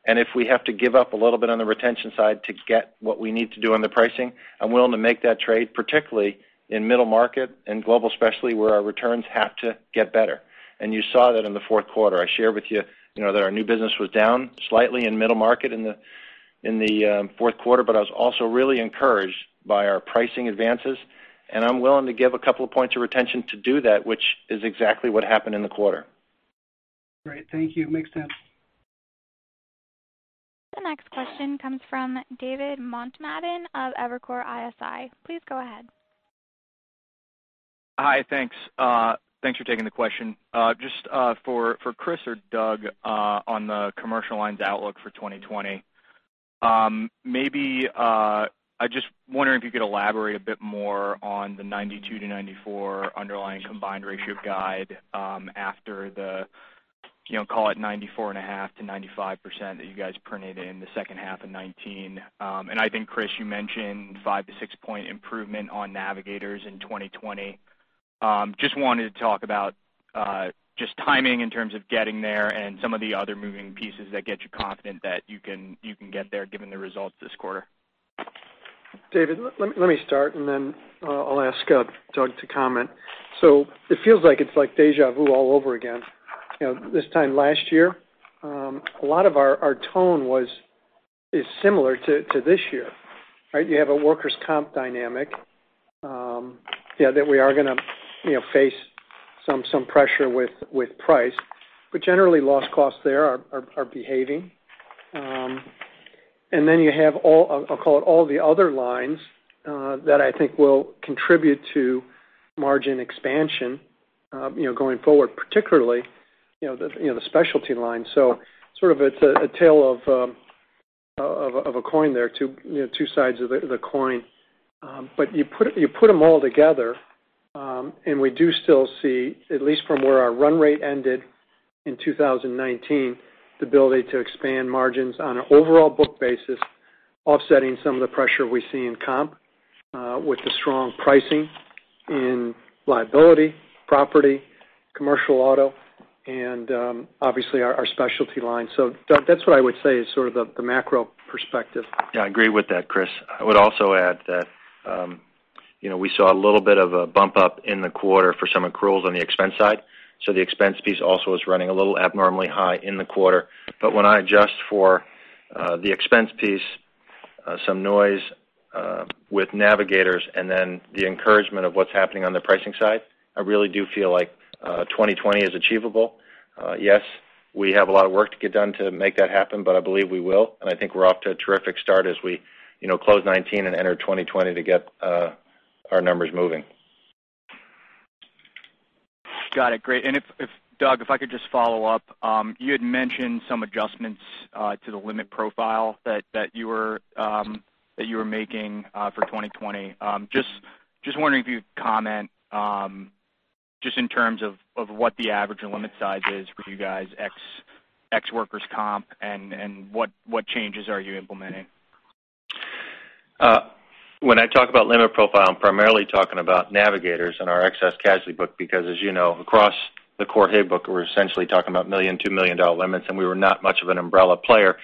If we have to give up a little bit on the retention side to get what we need to do on the pricing, I'm willing to make that trade, particularly in middle market and Global Specialty, where our returns have to get better. You saw that in the fourth quarter. I shared with you that our new business was down slightly in middle market in the fourth quarter, but I was also really encouraged by our pricing advances. I'm willing to give a couple of points of retention to do that, which is exactly what happened in the quarter. Great. Thank you. Makes sense. The next question comes from David Motemaden of Evercore ISI. Please go ahead. Hi. Thanks. Thanks for taking the question. Just for Chris or Doug, on the Commercial Lines outlook for 2020. Maybe, I'm just wondering if you could elaborate a bit more on the 92-94 underlying combined ratio guide after the, call it 94.5%-95% that you guys printed in the second half of 2019. I think, Chris, you mentioned five to six point improvement on Navigators in 2020. Just wanted to talk about just timing in terms of getting there and some of the other moving pieces that get you confident that you can get there given the results this quarter. David, let me start, and then I'll ask Doug to comment. It feels like it's like deja vu all over again. This time last year, a lot of our tone is similar to this year, right? You have a workers' comp dynamic that we are going to face some pressure with price, but generally loss costs there are behaving. You have all, I'll call it all the other lines that I think will contribute to margin expansion going forward, particularly the specialty line. Sort of it's a tale of a coin there, two sides of the coin. You put them all together, and we do still see, at least from where our run rate ended in 2019, the ability to expand margins on an overall book basis, offsetting some of the pressure we see in comp with the strong pricing in liability, property, commercial auto, and obviously our specialty line. Doug, that's what I would say is sort of the macro perspective. Yeah, I agree with that, Chris. I would also add that we saw a little bit of a bump up in the quarter for some accruals on the expense side. The expense piece also is running a little abnormally high in the quarter. When I adjust for the expense piece, some noise with Navigators, and then the encouragement of what's happening on the pricing side, I really do feel like 2020 is achievable. Yes, we have a lot of work to get done to make that happen, but I believe we will, and I think we're off to a terrific start as we close 2019 and enter 2020 to get our numbers moving. Got it. Great. Doug, if I could just follow up. You had mentioned some adjustments to the limit profile that you were making for 2020. Just wondering if you'd comment, just in terms of what the average and limit size is for you guys ex workers' comp, and what changes are you implementing? When I talk about limit profile, I'm primarily talking about Navigators and our excess casualty book because as you know, across the core HIG book, we're essentially talking about $2 million limits, and we were not much of an umbrella player.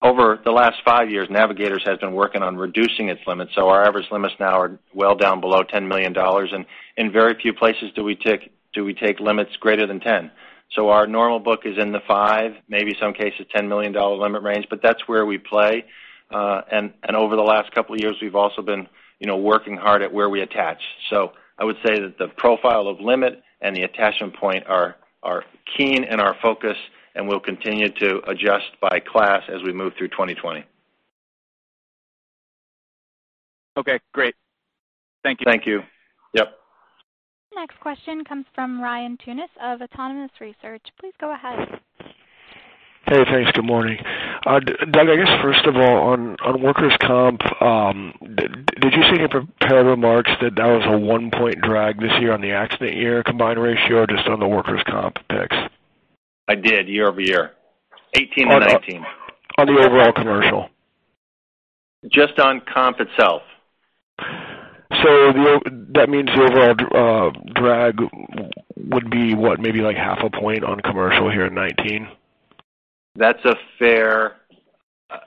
Over the last five years, Navigators has been working on reducing its limits, our average limits now are well down below $10 million, and in very few places do we take limits greater than 10. Our normal book is in the five, maybe some cases, $10 million limit range, but that's where we play. Over the last couple of years, we've also been working hard at where we attach. I would say that the profile of limit and the attachment point are keen in our focus, and we'll continue to adjust by class as we move through 2020. Okay, great. Thank you. Thank you. Yep. Next question comes from Ryan Tunis of Autonomous Research. Please go ahead. Hey, thanks. Good morning. Doug, I guess first of all, on workers' comp, did you see in your prepared remarks that that was a one-point drag this year on the accident year combined ratio or just on the workers' comp picks? I did, year-over-year. 2018 and 2019. On the overall Commercial Lines. Just on comp itself. That means the overall drag would be what? Maybe like half a point on commercial here in 2019? That's a fair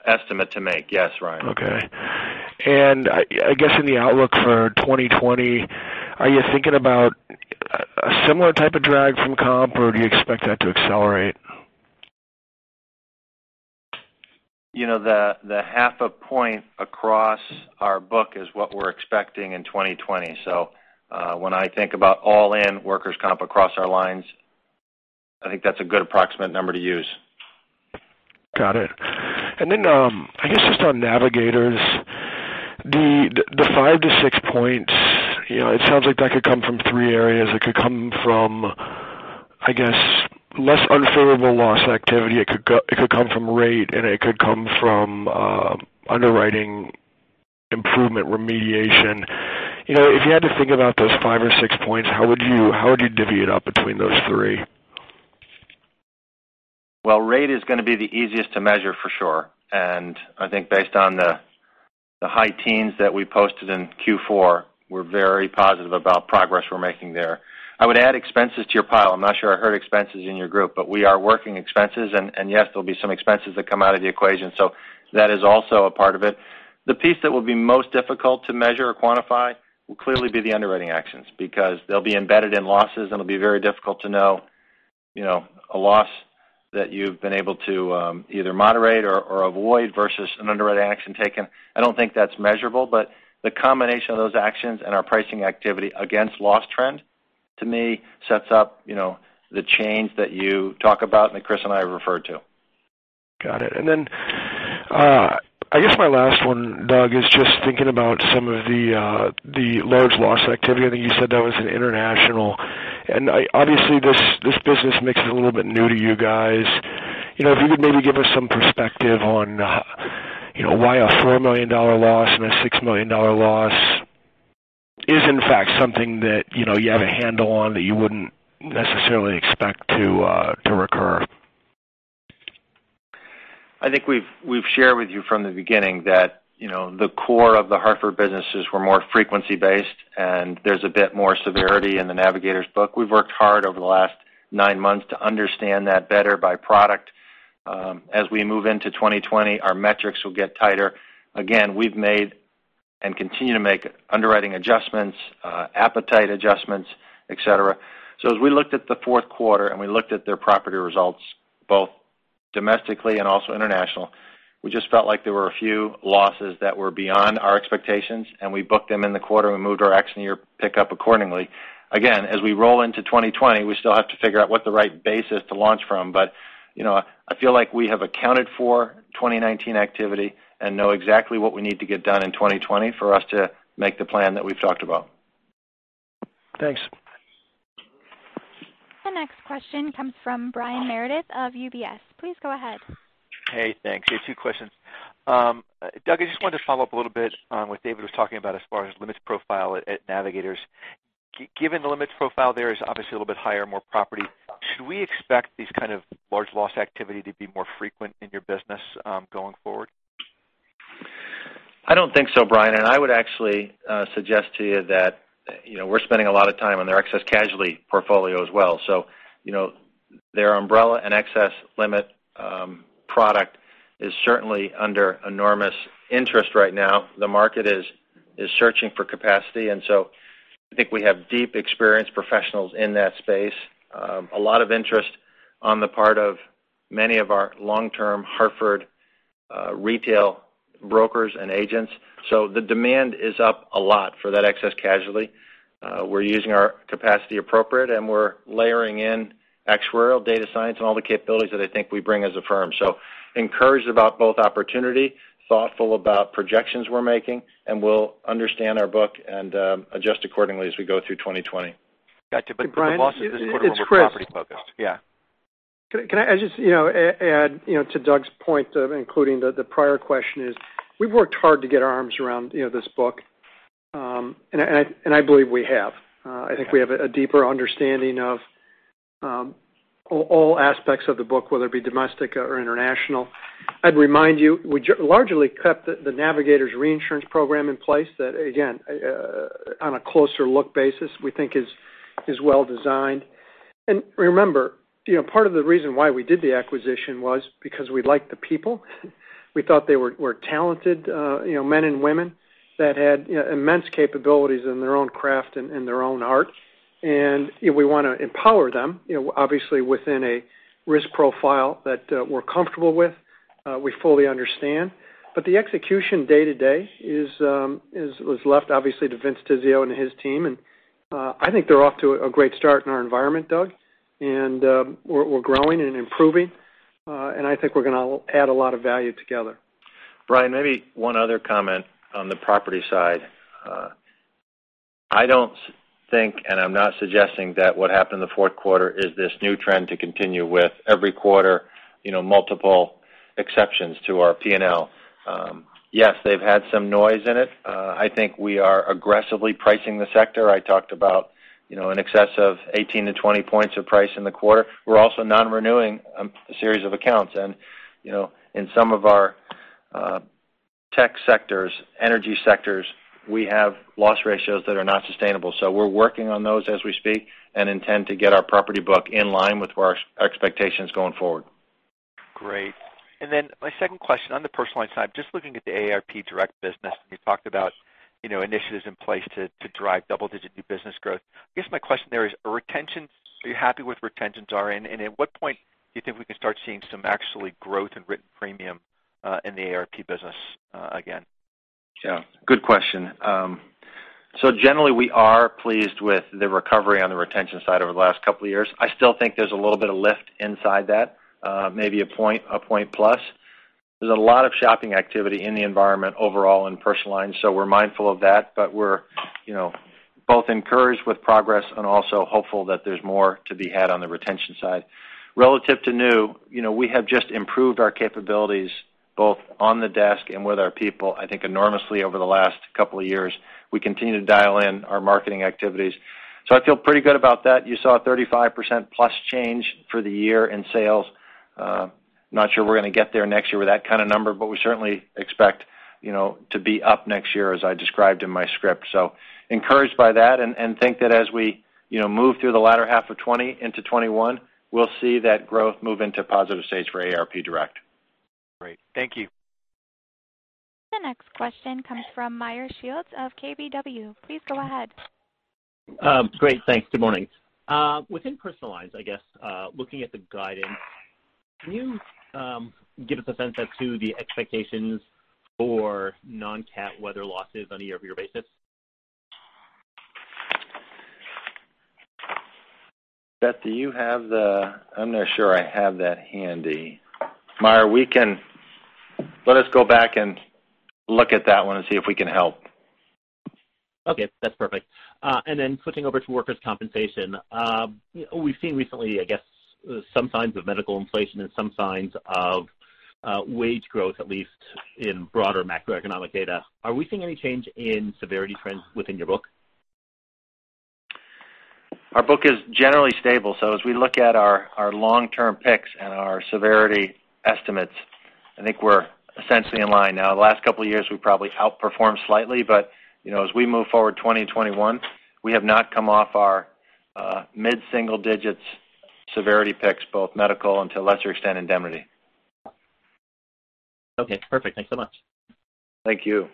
estimate to make. Yes, Ryan. Okay. I guess in the outlook for 2020, are you thinking about a similar type of drag from comp, or do you expect that to accelerate? The half a point across our book is what we're expecting in 2020. When I think about all in workers' comp across our lines, I think that's a good approximate number to use. Got it. Then, I guess just on Navigators, the five to six points, it sounds like that could come from three areas. It could come from, I guess, less unfavorable loss activity. It could come from rate, and it could come from underwriting improvement remediation. If you had to think about those five or six points, how would you divvy it up between those three? Well, rate is going to be the easiest to measure for sure. I think based on the high teens that we posted in Q4, we're very positive about progress we're making there. I would add expenses to your pile. I'm not sure I heard expenses in your group, but we are working expenses, and yes, there'll be some expenses that come out of the equation. That is also a part of it. The piece that will be most difficult to measure or quantify will clearly be the underwriting actions, because they'll be embedded in losses, and it'll be very difficult to know a loss that you've been able to either moderate or avoid versus an underwrite action taken. I don't think that's measurable, but the combination of those actions and our pricing activity against loss trend, to me, sets up the change that you talk about and that Chris and I have referred to. Got it. I guess my last one, Doug, is just thinking about some of the large loss activity. I think you said that was in international. This business mix is a little bit new to you guys. If you could maybe give us some perspective on why a $4 million loss and a $6 million loss is in fact something that you have a handle on that you wouldn't necessarily expect to recur. I think we've shared with you from the beginning that the core of The Hartford businesses were more frequency-based, and there's a bit more severity in the Navigators book. We've worked hard over the last nine months to understand that better by product. We move into 2020, our metrics will get tighter. Again, we've made and continue to make underwriting adjustments, appetite adjustments, et cetera. As we looked at the fourth quarter and we looked at their property results, both domestically and also international, we just felt like there were a few losses that were beyond our expectations, and we booked them in the quarter. We moved our accident year pick up accordingly. Again, as we roll into 2020, we still have to figure out what the right base is to launch from. I feel like we have accounted for 2019 activity and know exactly what we need to get done in 2020 for us to make the plan that we've talked about. Thanks. The next question comes from Brian Meredith of UBS. Please go ahead. Hey, thanks. Yeah, two questions. Doug, I just wanted to follow up a little bit on what David was talking about as far as limits profile at Navigators. Given the limits profile there is obviously a little bit higher, more property, should we expect these kind of large loss activity to be more frequent in your business going forward? I don't think so, Brian, and I would actually suggest to you that we're spending a lot of time on their excess casualty portfolio as well. Their umbrella and excess limit product is certainly under enormous interest right now. The market is searching for capacity, I think we have deep experienced professionals in that space. A lot of interest on the part of many of our long-term Hartford retail brokers and agents. The demand is up a lot for that excess casualty. We're using our capacity appropriate, and we're layering in actuarial data science and all the capabilities that I think we bring as a firm. Encouraged about both opportunity, thoughtful about projections we're making, and we'll understand our book and adjust accordingly as we go through 2020. Got you. The losses this quarter were property focused. It's Chris. Yeah. Can I just add to Doug's point of including the prior question is, we've worked hard to get our arms around this book. I believe we have. I think we have a deeper understanding of all aspects of the book, whether it be domestic or international. I'd remind you, we largely kept the Navigators reinsurance program in place that, again, on a closer look basis, we think is well-designed. Remember, part of the reason why we did the acquisition was because we liked the people. We thought they were talented men and women that had immense capabilities in their own craft and in their own art. We want to empower them, obviously within a risk profile that we're comfortable with, we fully understand. The execution day to day was left, obviously, to Vince Tizzio and his team, and I think they're off to a great start in our environment, Doug. We're growing and improving. I think we're going to add a lot of value together. Brian, maybe one other comment on the property side. I don't think, I'm not suggesting that what happened in the fourth quarter is this new trend to continue with every quarter, multiple exceptions to our P&L. Yes, they've had some noise in it. I think we are aggressively pricing the sector. I talked about in excess of 18-20 points of price in the quarter. We're also non-renewing a series of accounts. In some of our tech sectors, energy sectors, we have loss ratios that are not sustainable. We're working on those as we speak and intend to get our property book in line with our expectations going forward. Great. My second question on the Personal Lines side, just looking at the AARP Direct business, you talked about initiatives in place to drive double-digit new business growth. I guess my question there is, are you happy with where retentions are in? At what point do you think we can start seeing some actual growth in written premium in the AARP business again? Yeah, good question. Generally, we are pleased with the recovery on the retention side over the last couple of years. I still think there's a little bit of lift inside that, maybe a point plus. There's a lot of shopping activity in the environment overall in Personal Lines, so we're mindful of that, but we're both encouraged with progress and also hopeful that there's more to be had on the retention side. Relative to new, we have just improved our capabilities both on the desk and with our people, I think enormously over the last couple of years. We continue to dial in our marketing activities. I feel pretty good about that. You saw a 35%+ change for the year in sales. I'm not sure we're going to get there next year with that kind of number, but we certainly expect to be up next year as I described in my script. Encouraged by that and think that as we move through the latter half of 2020 into 2021, we'll see that growth move into positive stage for AARP Direct. Great. Thank you. The next question comes from Meyer Shields of KBW. Please go ahead. Great, thanks. Good morning. Within Personal Lines, I guess, looking at the guidance, can you give us a sense as to the expectations for non-CAT weather losses on a year-over-year basis? Beth, I'm not sure I have that handy. Meyer, let us go back and look at that one and see if we can help. Okay, that's perfect. Switching over to workers' compensation, we've seen recently, I guess, some signs of medical inflation and some signs of wage growth, at least in broader macroeconomic data. Are we seeing any change in severity trends within your book? Our book is generally stable, so as we look at our long-term picks and our severity estimates, I think we're essentially in line. Now, the last couple of years, we probably outperformed slightly, but as we move forward 2020 and 2021, we have not come off our mid-single-digits severity picks, both medical and to a lesser extent, indemnity. Okay, perfect. Thanks so much. Thank you.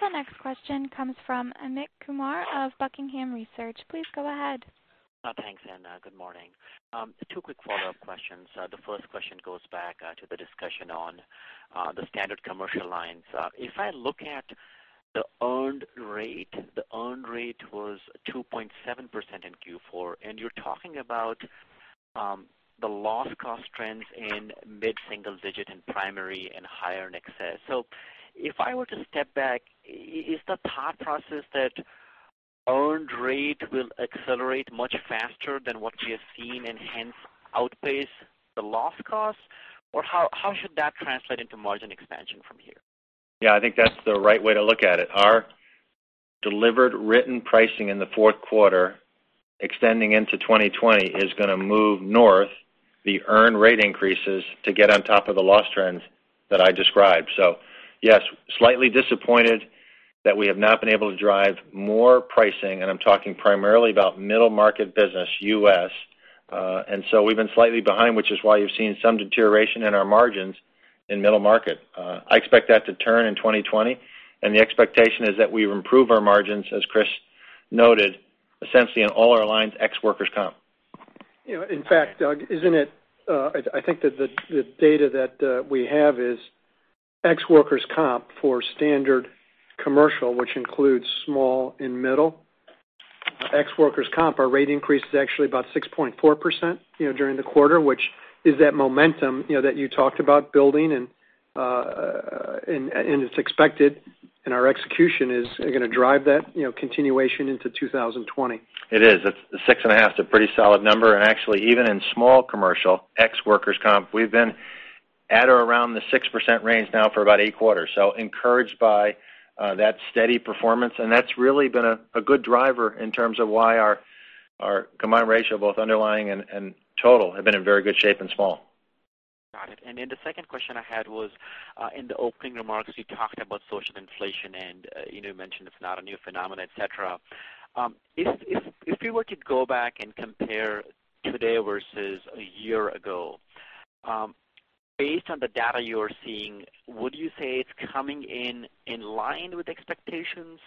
The next question comes from Amit Kumar of Buckingham Research. Please go ahead. Thanks, good morning. Two quick follow-up questions. The first question goes back to the discussion on the Standard Commercial Lines. If I look at the earned rate, the earned rate was 2.7% in Q4, you're talking about the loss cost trends in mid-single digit in primary and higher in excess. If I were to step back, is the thought process that earned rate will accelerate much faster than what we have seen and hence outpace the loss cost? How should that translate into margin expansion from here? Yeah, I think that's the right way to look at it. Our delivered written pricing in the fourth quarter extending into 2020 is going to move north the earned rate increases to get on top of the loss trends that I described. Yes, slightly disappointed that we have not been able to drive more pricing, and I'm talking primarily about middle market business, U.S. We've been slightly behind, which is why you've seen some deterioration in our margins in middle market. I expect that to turn in 2020, and the expectation is that we improve our margins, as Chris noted, essentially in all our lines, ex workers' comp. In fact, Doug, I think that the data that we have is ex workers' comp for standard commercial, which includes small and middle. Ex workers' comp, our rate increase is actually about 6.4% during the quarter, which is that momentum that you talked about building, and it's expected, and our execution is going to drive that continuation into 2020. It is. The six and a half's a pretty solid number, and actually even in Small Commercial, ex workers' comp, we've been at or around the 6% range now for about eight quarters. Encouraged by that steady performance, and that's really been a good driver in terms of why our combined ratio, both underlying and total, have been in very good shape and small. Got it. The second question I had was, in the opening remarks, you talked about social inflation, and you mentioned it's not a new phenomenon, et cetera. If you were to go back and compare today versus a year ago, based on the data you are seeing, would you say it's coming in in line with expectations,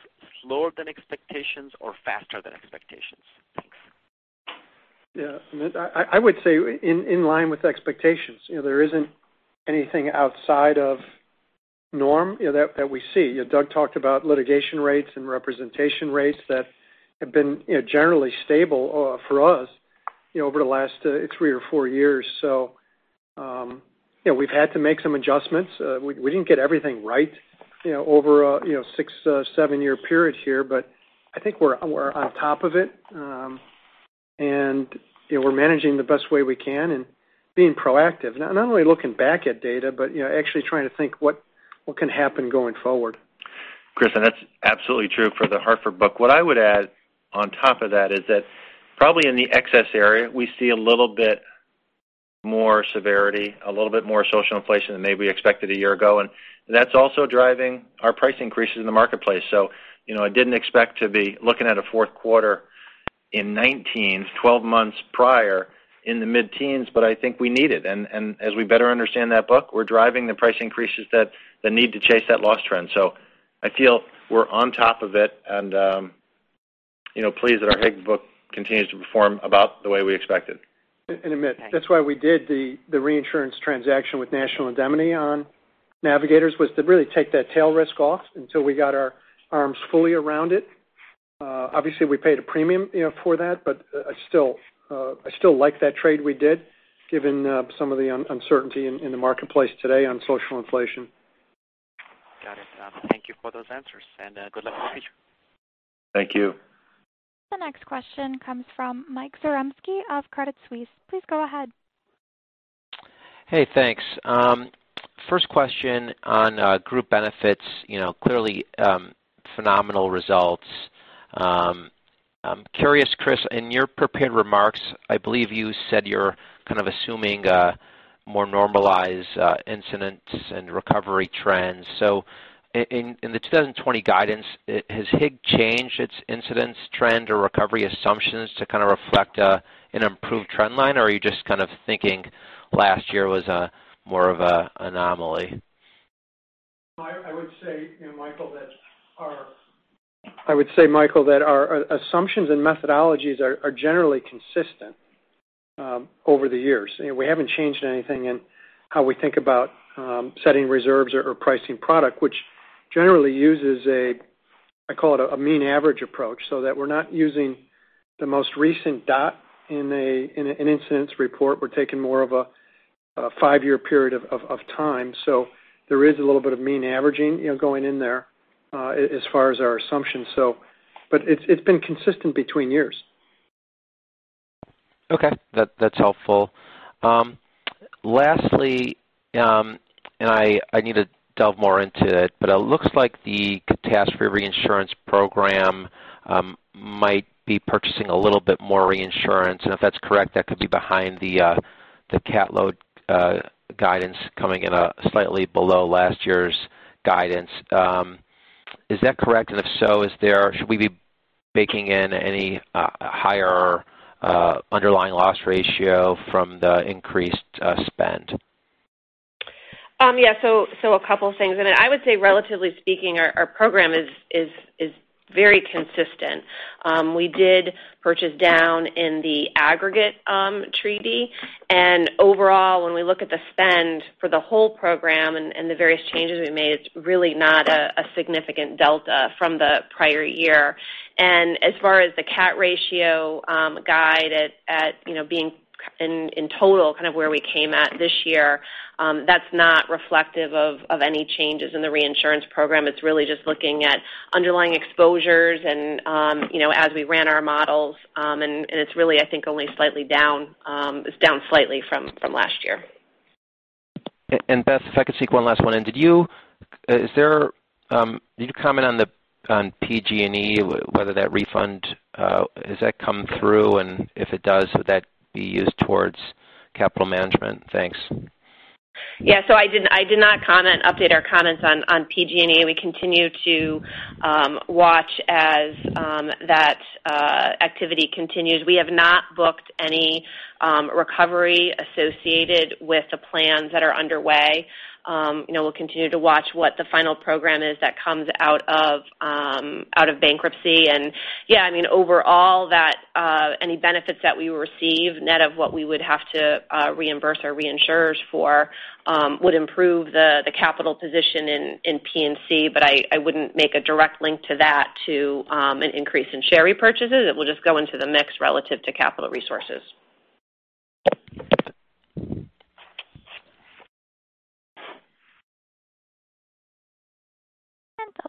slower than expectations or faster than expectations? Thanks. Yeah. Amit, I would say in line with expectations. There isn't anything outside of norm that we see. Doug talked about litigation rates and representation rates that have been generally stable for us over the last three or four years. We've had to make some adjustments. We didn't get everything right over a six, seven-year period here, but I think we're on top of it. We're managing the best way we can and being proactive. Not only looking back at data, but actually trying to think what can happen going forward. Chris, that's absolutely true for The Hartford book. What I would add on top of that is that probably in the excess area, we see a little bit more severity, a little bit more social inflation than maybe we expected a year ago, and that's also driving our price increases in the marketplace. I didn't expect to be looking at a fourth quarter in 2019, 12 months prior, in the mid-teens, but I think we need it. As we better understand that book, we're driving the price increases that need to chase that loss trend. I feel we're on top of it and pleased that our HIG book continues to perform about the way we expected. In a minute. That's why we did the reinsurance transaction with National Indemnity on Navigators, was to really take that tail risk off until we got our arms fully around it. Obviously, we paid a premium for that, but I still like that trade we did, given some of the uncertainty in the marketplace today on social inflation. Got it. Thank you for those answers. Good luck in the future. Thank you. The next question comes from Mike Zaremski of Credit Suisse. Please go ahead. Hey, thanks. First question on Group Benefits, clearly phenomenal results. I'm curious, Chris, in your prepared remarks, I believe you said you're kind of assuming more normalized incidents and recovery trends. In the 2020 guidance, has HIG changed its incidents trend or recovery assumptions to kind of reflect an improved trend line, or are you just kind of thinking last year was more of an anomaly? I would say, Michael, that our assumptions and methodologies are generally consistent over the years. We haven't changed anything in how we think about setting reserves or pricing product, which generally uses a, I call it, a mean average approach, so that we're not using the most recent dot in an incidence report. We're taking more of a five-year period of time. There is a little bit of mean averaging going in there as far as our assumptions. It's been consistent between years. Okay. That's helpful. Lastly, I need to delve more into it looks like the catastrophe reinsurance program might be purchasing a little bit more reinsurance. If that's correct, that could be behind the cat load guidance coming in slightly below last year's guidance. Is that correct? If so, should we be baking in any higher underlying loss ratio from the increased spend? Yes. A couple of things. I would say, relatively speaking, our program is very consistent. We did purchase down in the aggregate treaty, and overall, when we look at the spend for the whole program and the various changes we've made, it's really not a significant delta from the prior year. As far as the cat ratio guide at being in total kind of where we came at this year, that's not reflective of any changes in the reinsurance program. It's really just looking at underlying exposures and as we ran our models. It's really, I think, only slightly down. It's down slightly from last year. Beth, if I could sneak one last one in. Did you comment on PG&E, whether that refund, has that come through, and if it does, would that be used towards capital management? Thanks. Yeah, I did not comment, update our comments on PG&E. We continue to watch as that activity continues. We have not booked any recovery associated with the plans that are underway. We'll continue to watch what the final program is that comes out of bankruptcy. Yeah, I mean, overall, any benefits that we receive net of what we would have to reimburse our reinsurers for would improve the capital position in P&C, I wouldn't make a direct link to that to an increase in share repurchases. It will just go into the mix relative to capital resources.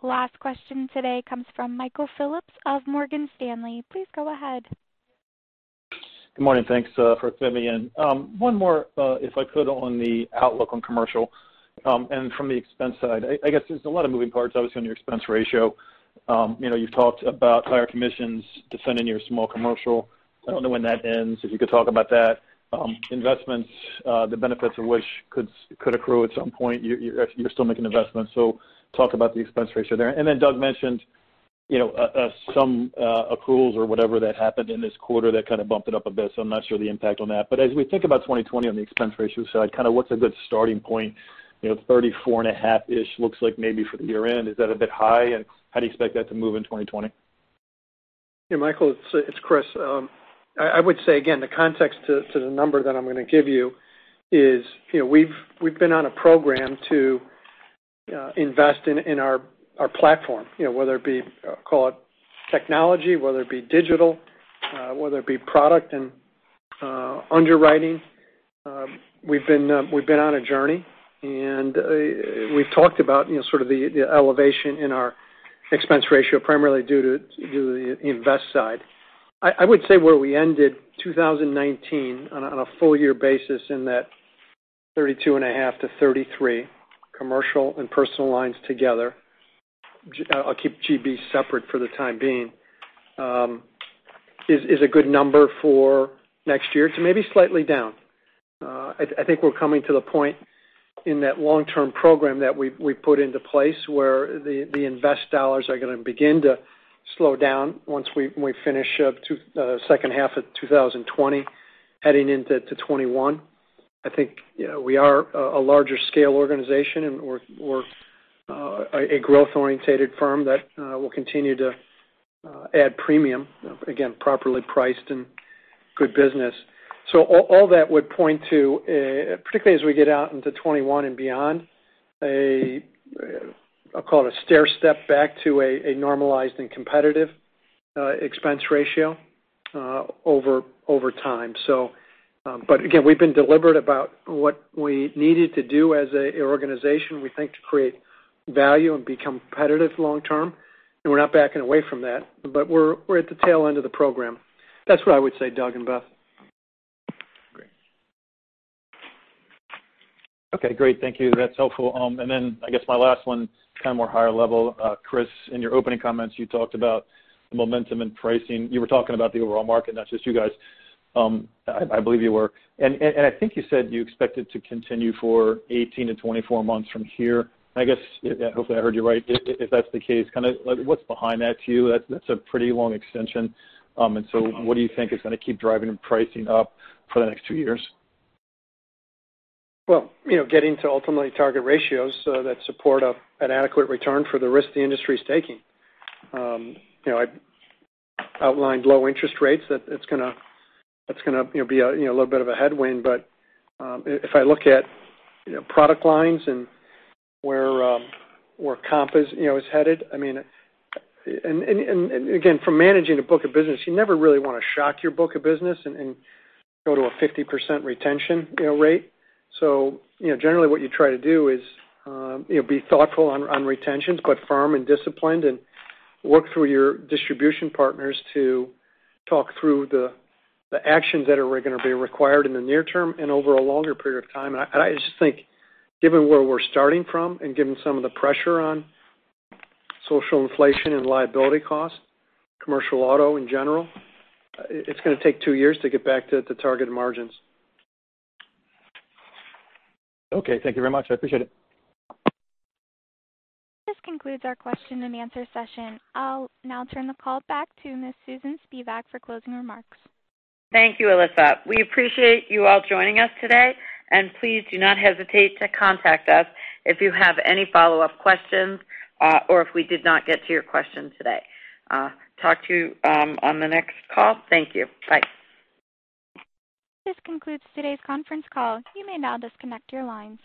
The last question today comes from Michael Phillips of Morgan Stanley. Please go ahead. Good morning. Thanks for fitting me in. One more, if I could, on the outlook on Commercial Lines and from the expense side. I guess there's a lot of moving parts, obviously, on your expense ratio. You've talked about higher commissions to fund in your Small Commercial. I don't know when that ends, if you could talk about that. Investments, the benefits of which could accrue at some point. You're still making investments. Talk about the expense ratio there. Doug mentioned some accruals or whatever that happened in this quarter that kind of bumped it up a bit, so I'm not sure the impact on that. As we think about 2020 on the expense ratio side, kind of what's a good starting point? 34.5-ish looks like maybe for the year-end. Is that a bit high? How do you expect that to move in 2020? Michael, it's Chris. I would say, again, the context to the number that I'm going to give you is we've been on a program to invest in our platform, whether it be, call it technology, whether it be digital, whether it be product and underwriting. We've been on a journey, and we've talked about sort of the elevation in our expense ratio, primarily due to the invest side. I would say where we ended 2019 on a full-year basis in that 32.5%-33% Commercial Lines and Personal Lines together, I'll keep GB separate for the time being, is a good number for next year to maybe slightly down. I think we're coming to the point in that long-term program that we put into place where the invest dollars are going to begin to slow down once we finish up the second half of 2020, heading into 2021. I think we are a larger scale organization, and we're a growth-orientated firm that will continue to add premium, again, properly priced and good business. All that would point to, particularly as we get out into 2021 and beyond, I'll call it a stairstep back to a normalized and competitive expense ratio over time. Again, we've been deliberate about what we needed to do as an organization, we think, to create value and be competitive long term, and we're not backing away from that. We're at the tail end of the program. That's what I would say, Doug and Beth. Great. Okay, great. Thank you. That's helpful. I guess my last one, more higher level. Chris, in your opening comments, you talked about the momentum in pricing. You were talking about the overall market, not just you guys. I believe you were. I think you said you expect it to continue for 18 to 24 months from here. Hopefully I heard you right. If that's the case, what's behind that to you? That's a pretty long extension. What do you think is going to keep driving pricing up for the next two years? Well, getting to ultimately target ratios that support an adequate return for the risk the industry's taking. I outlined low interest rates, that's going to be a little bit of a headwind. If I look at product lines and where comp is headed, and again, from managing a book of business, you never really want to shock your book of business and go to a 50% retention rate. Generally, what you try to do is be thoughtful on retentions, but firm and disciplined, and work through your distribution partners to talk through the actions that are going to be required in the near term and over a longer period of time. I just think, given where we're starting from and given some of the pressure on social inflation and liability costs, commercial auto in general, it's going to take two years to get back to the targeted margins. Okay. Thank you very much. I appreciate it. This concludes our question and answer session. I'll now turn the call back to Ms. Susan Spivak for closing remarks. Thank you, Alyssa. We appreciate you all joining us today, please do not hesitate to contact us if you have any follow-up questions or if we did not get to your question today. Talk to you on the next call. Thank you. Bye. This concludes today's conference call. You may now disconnect your lines.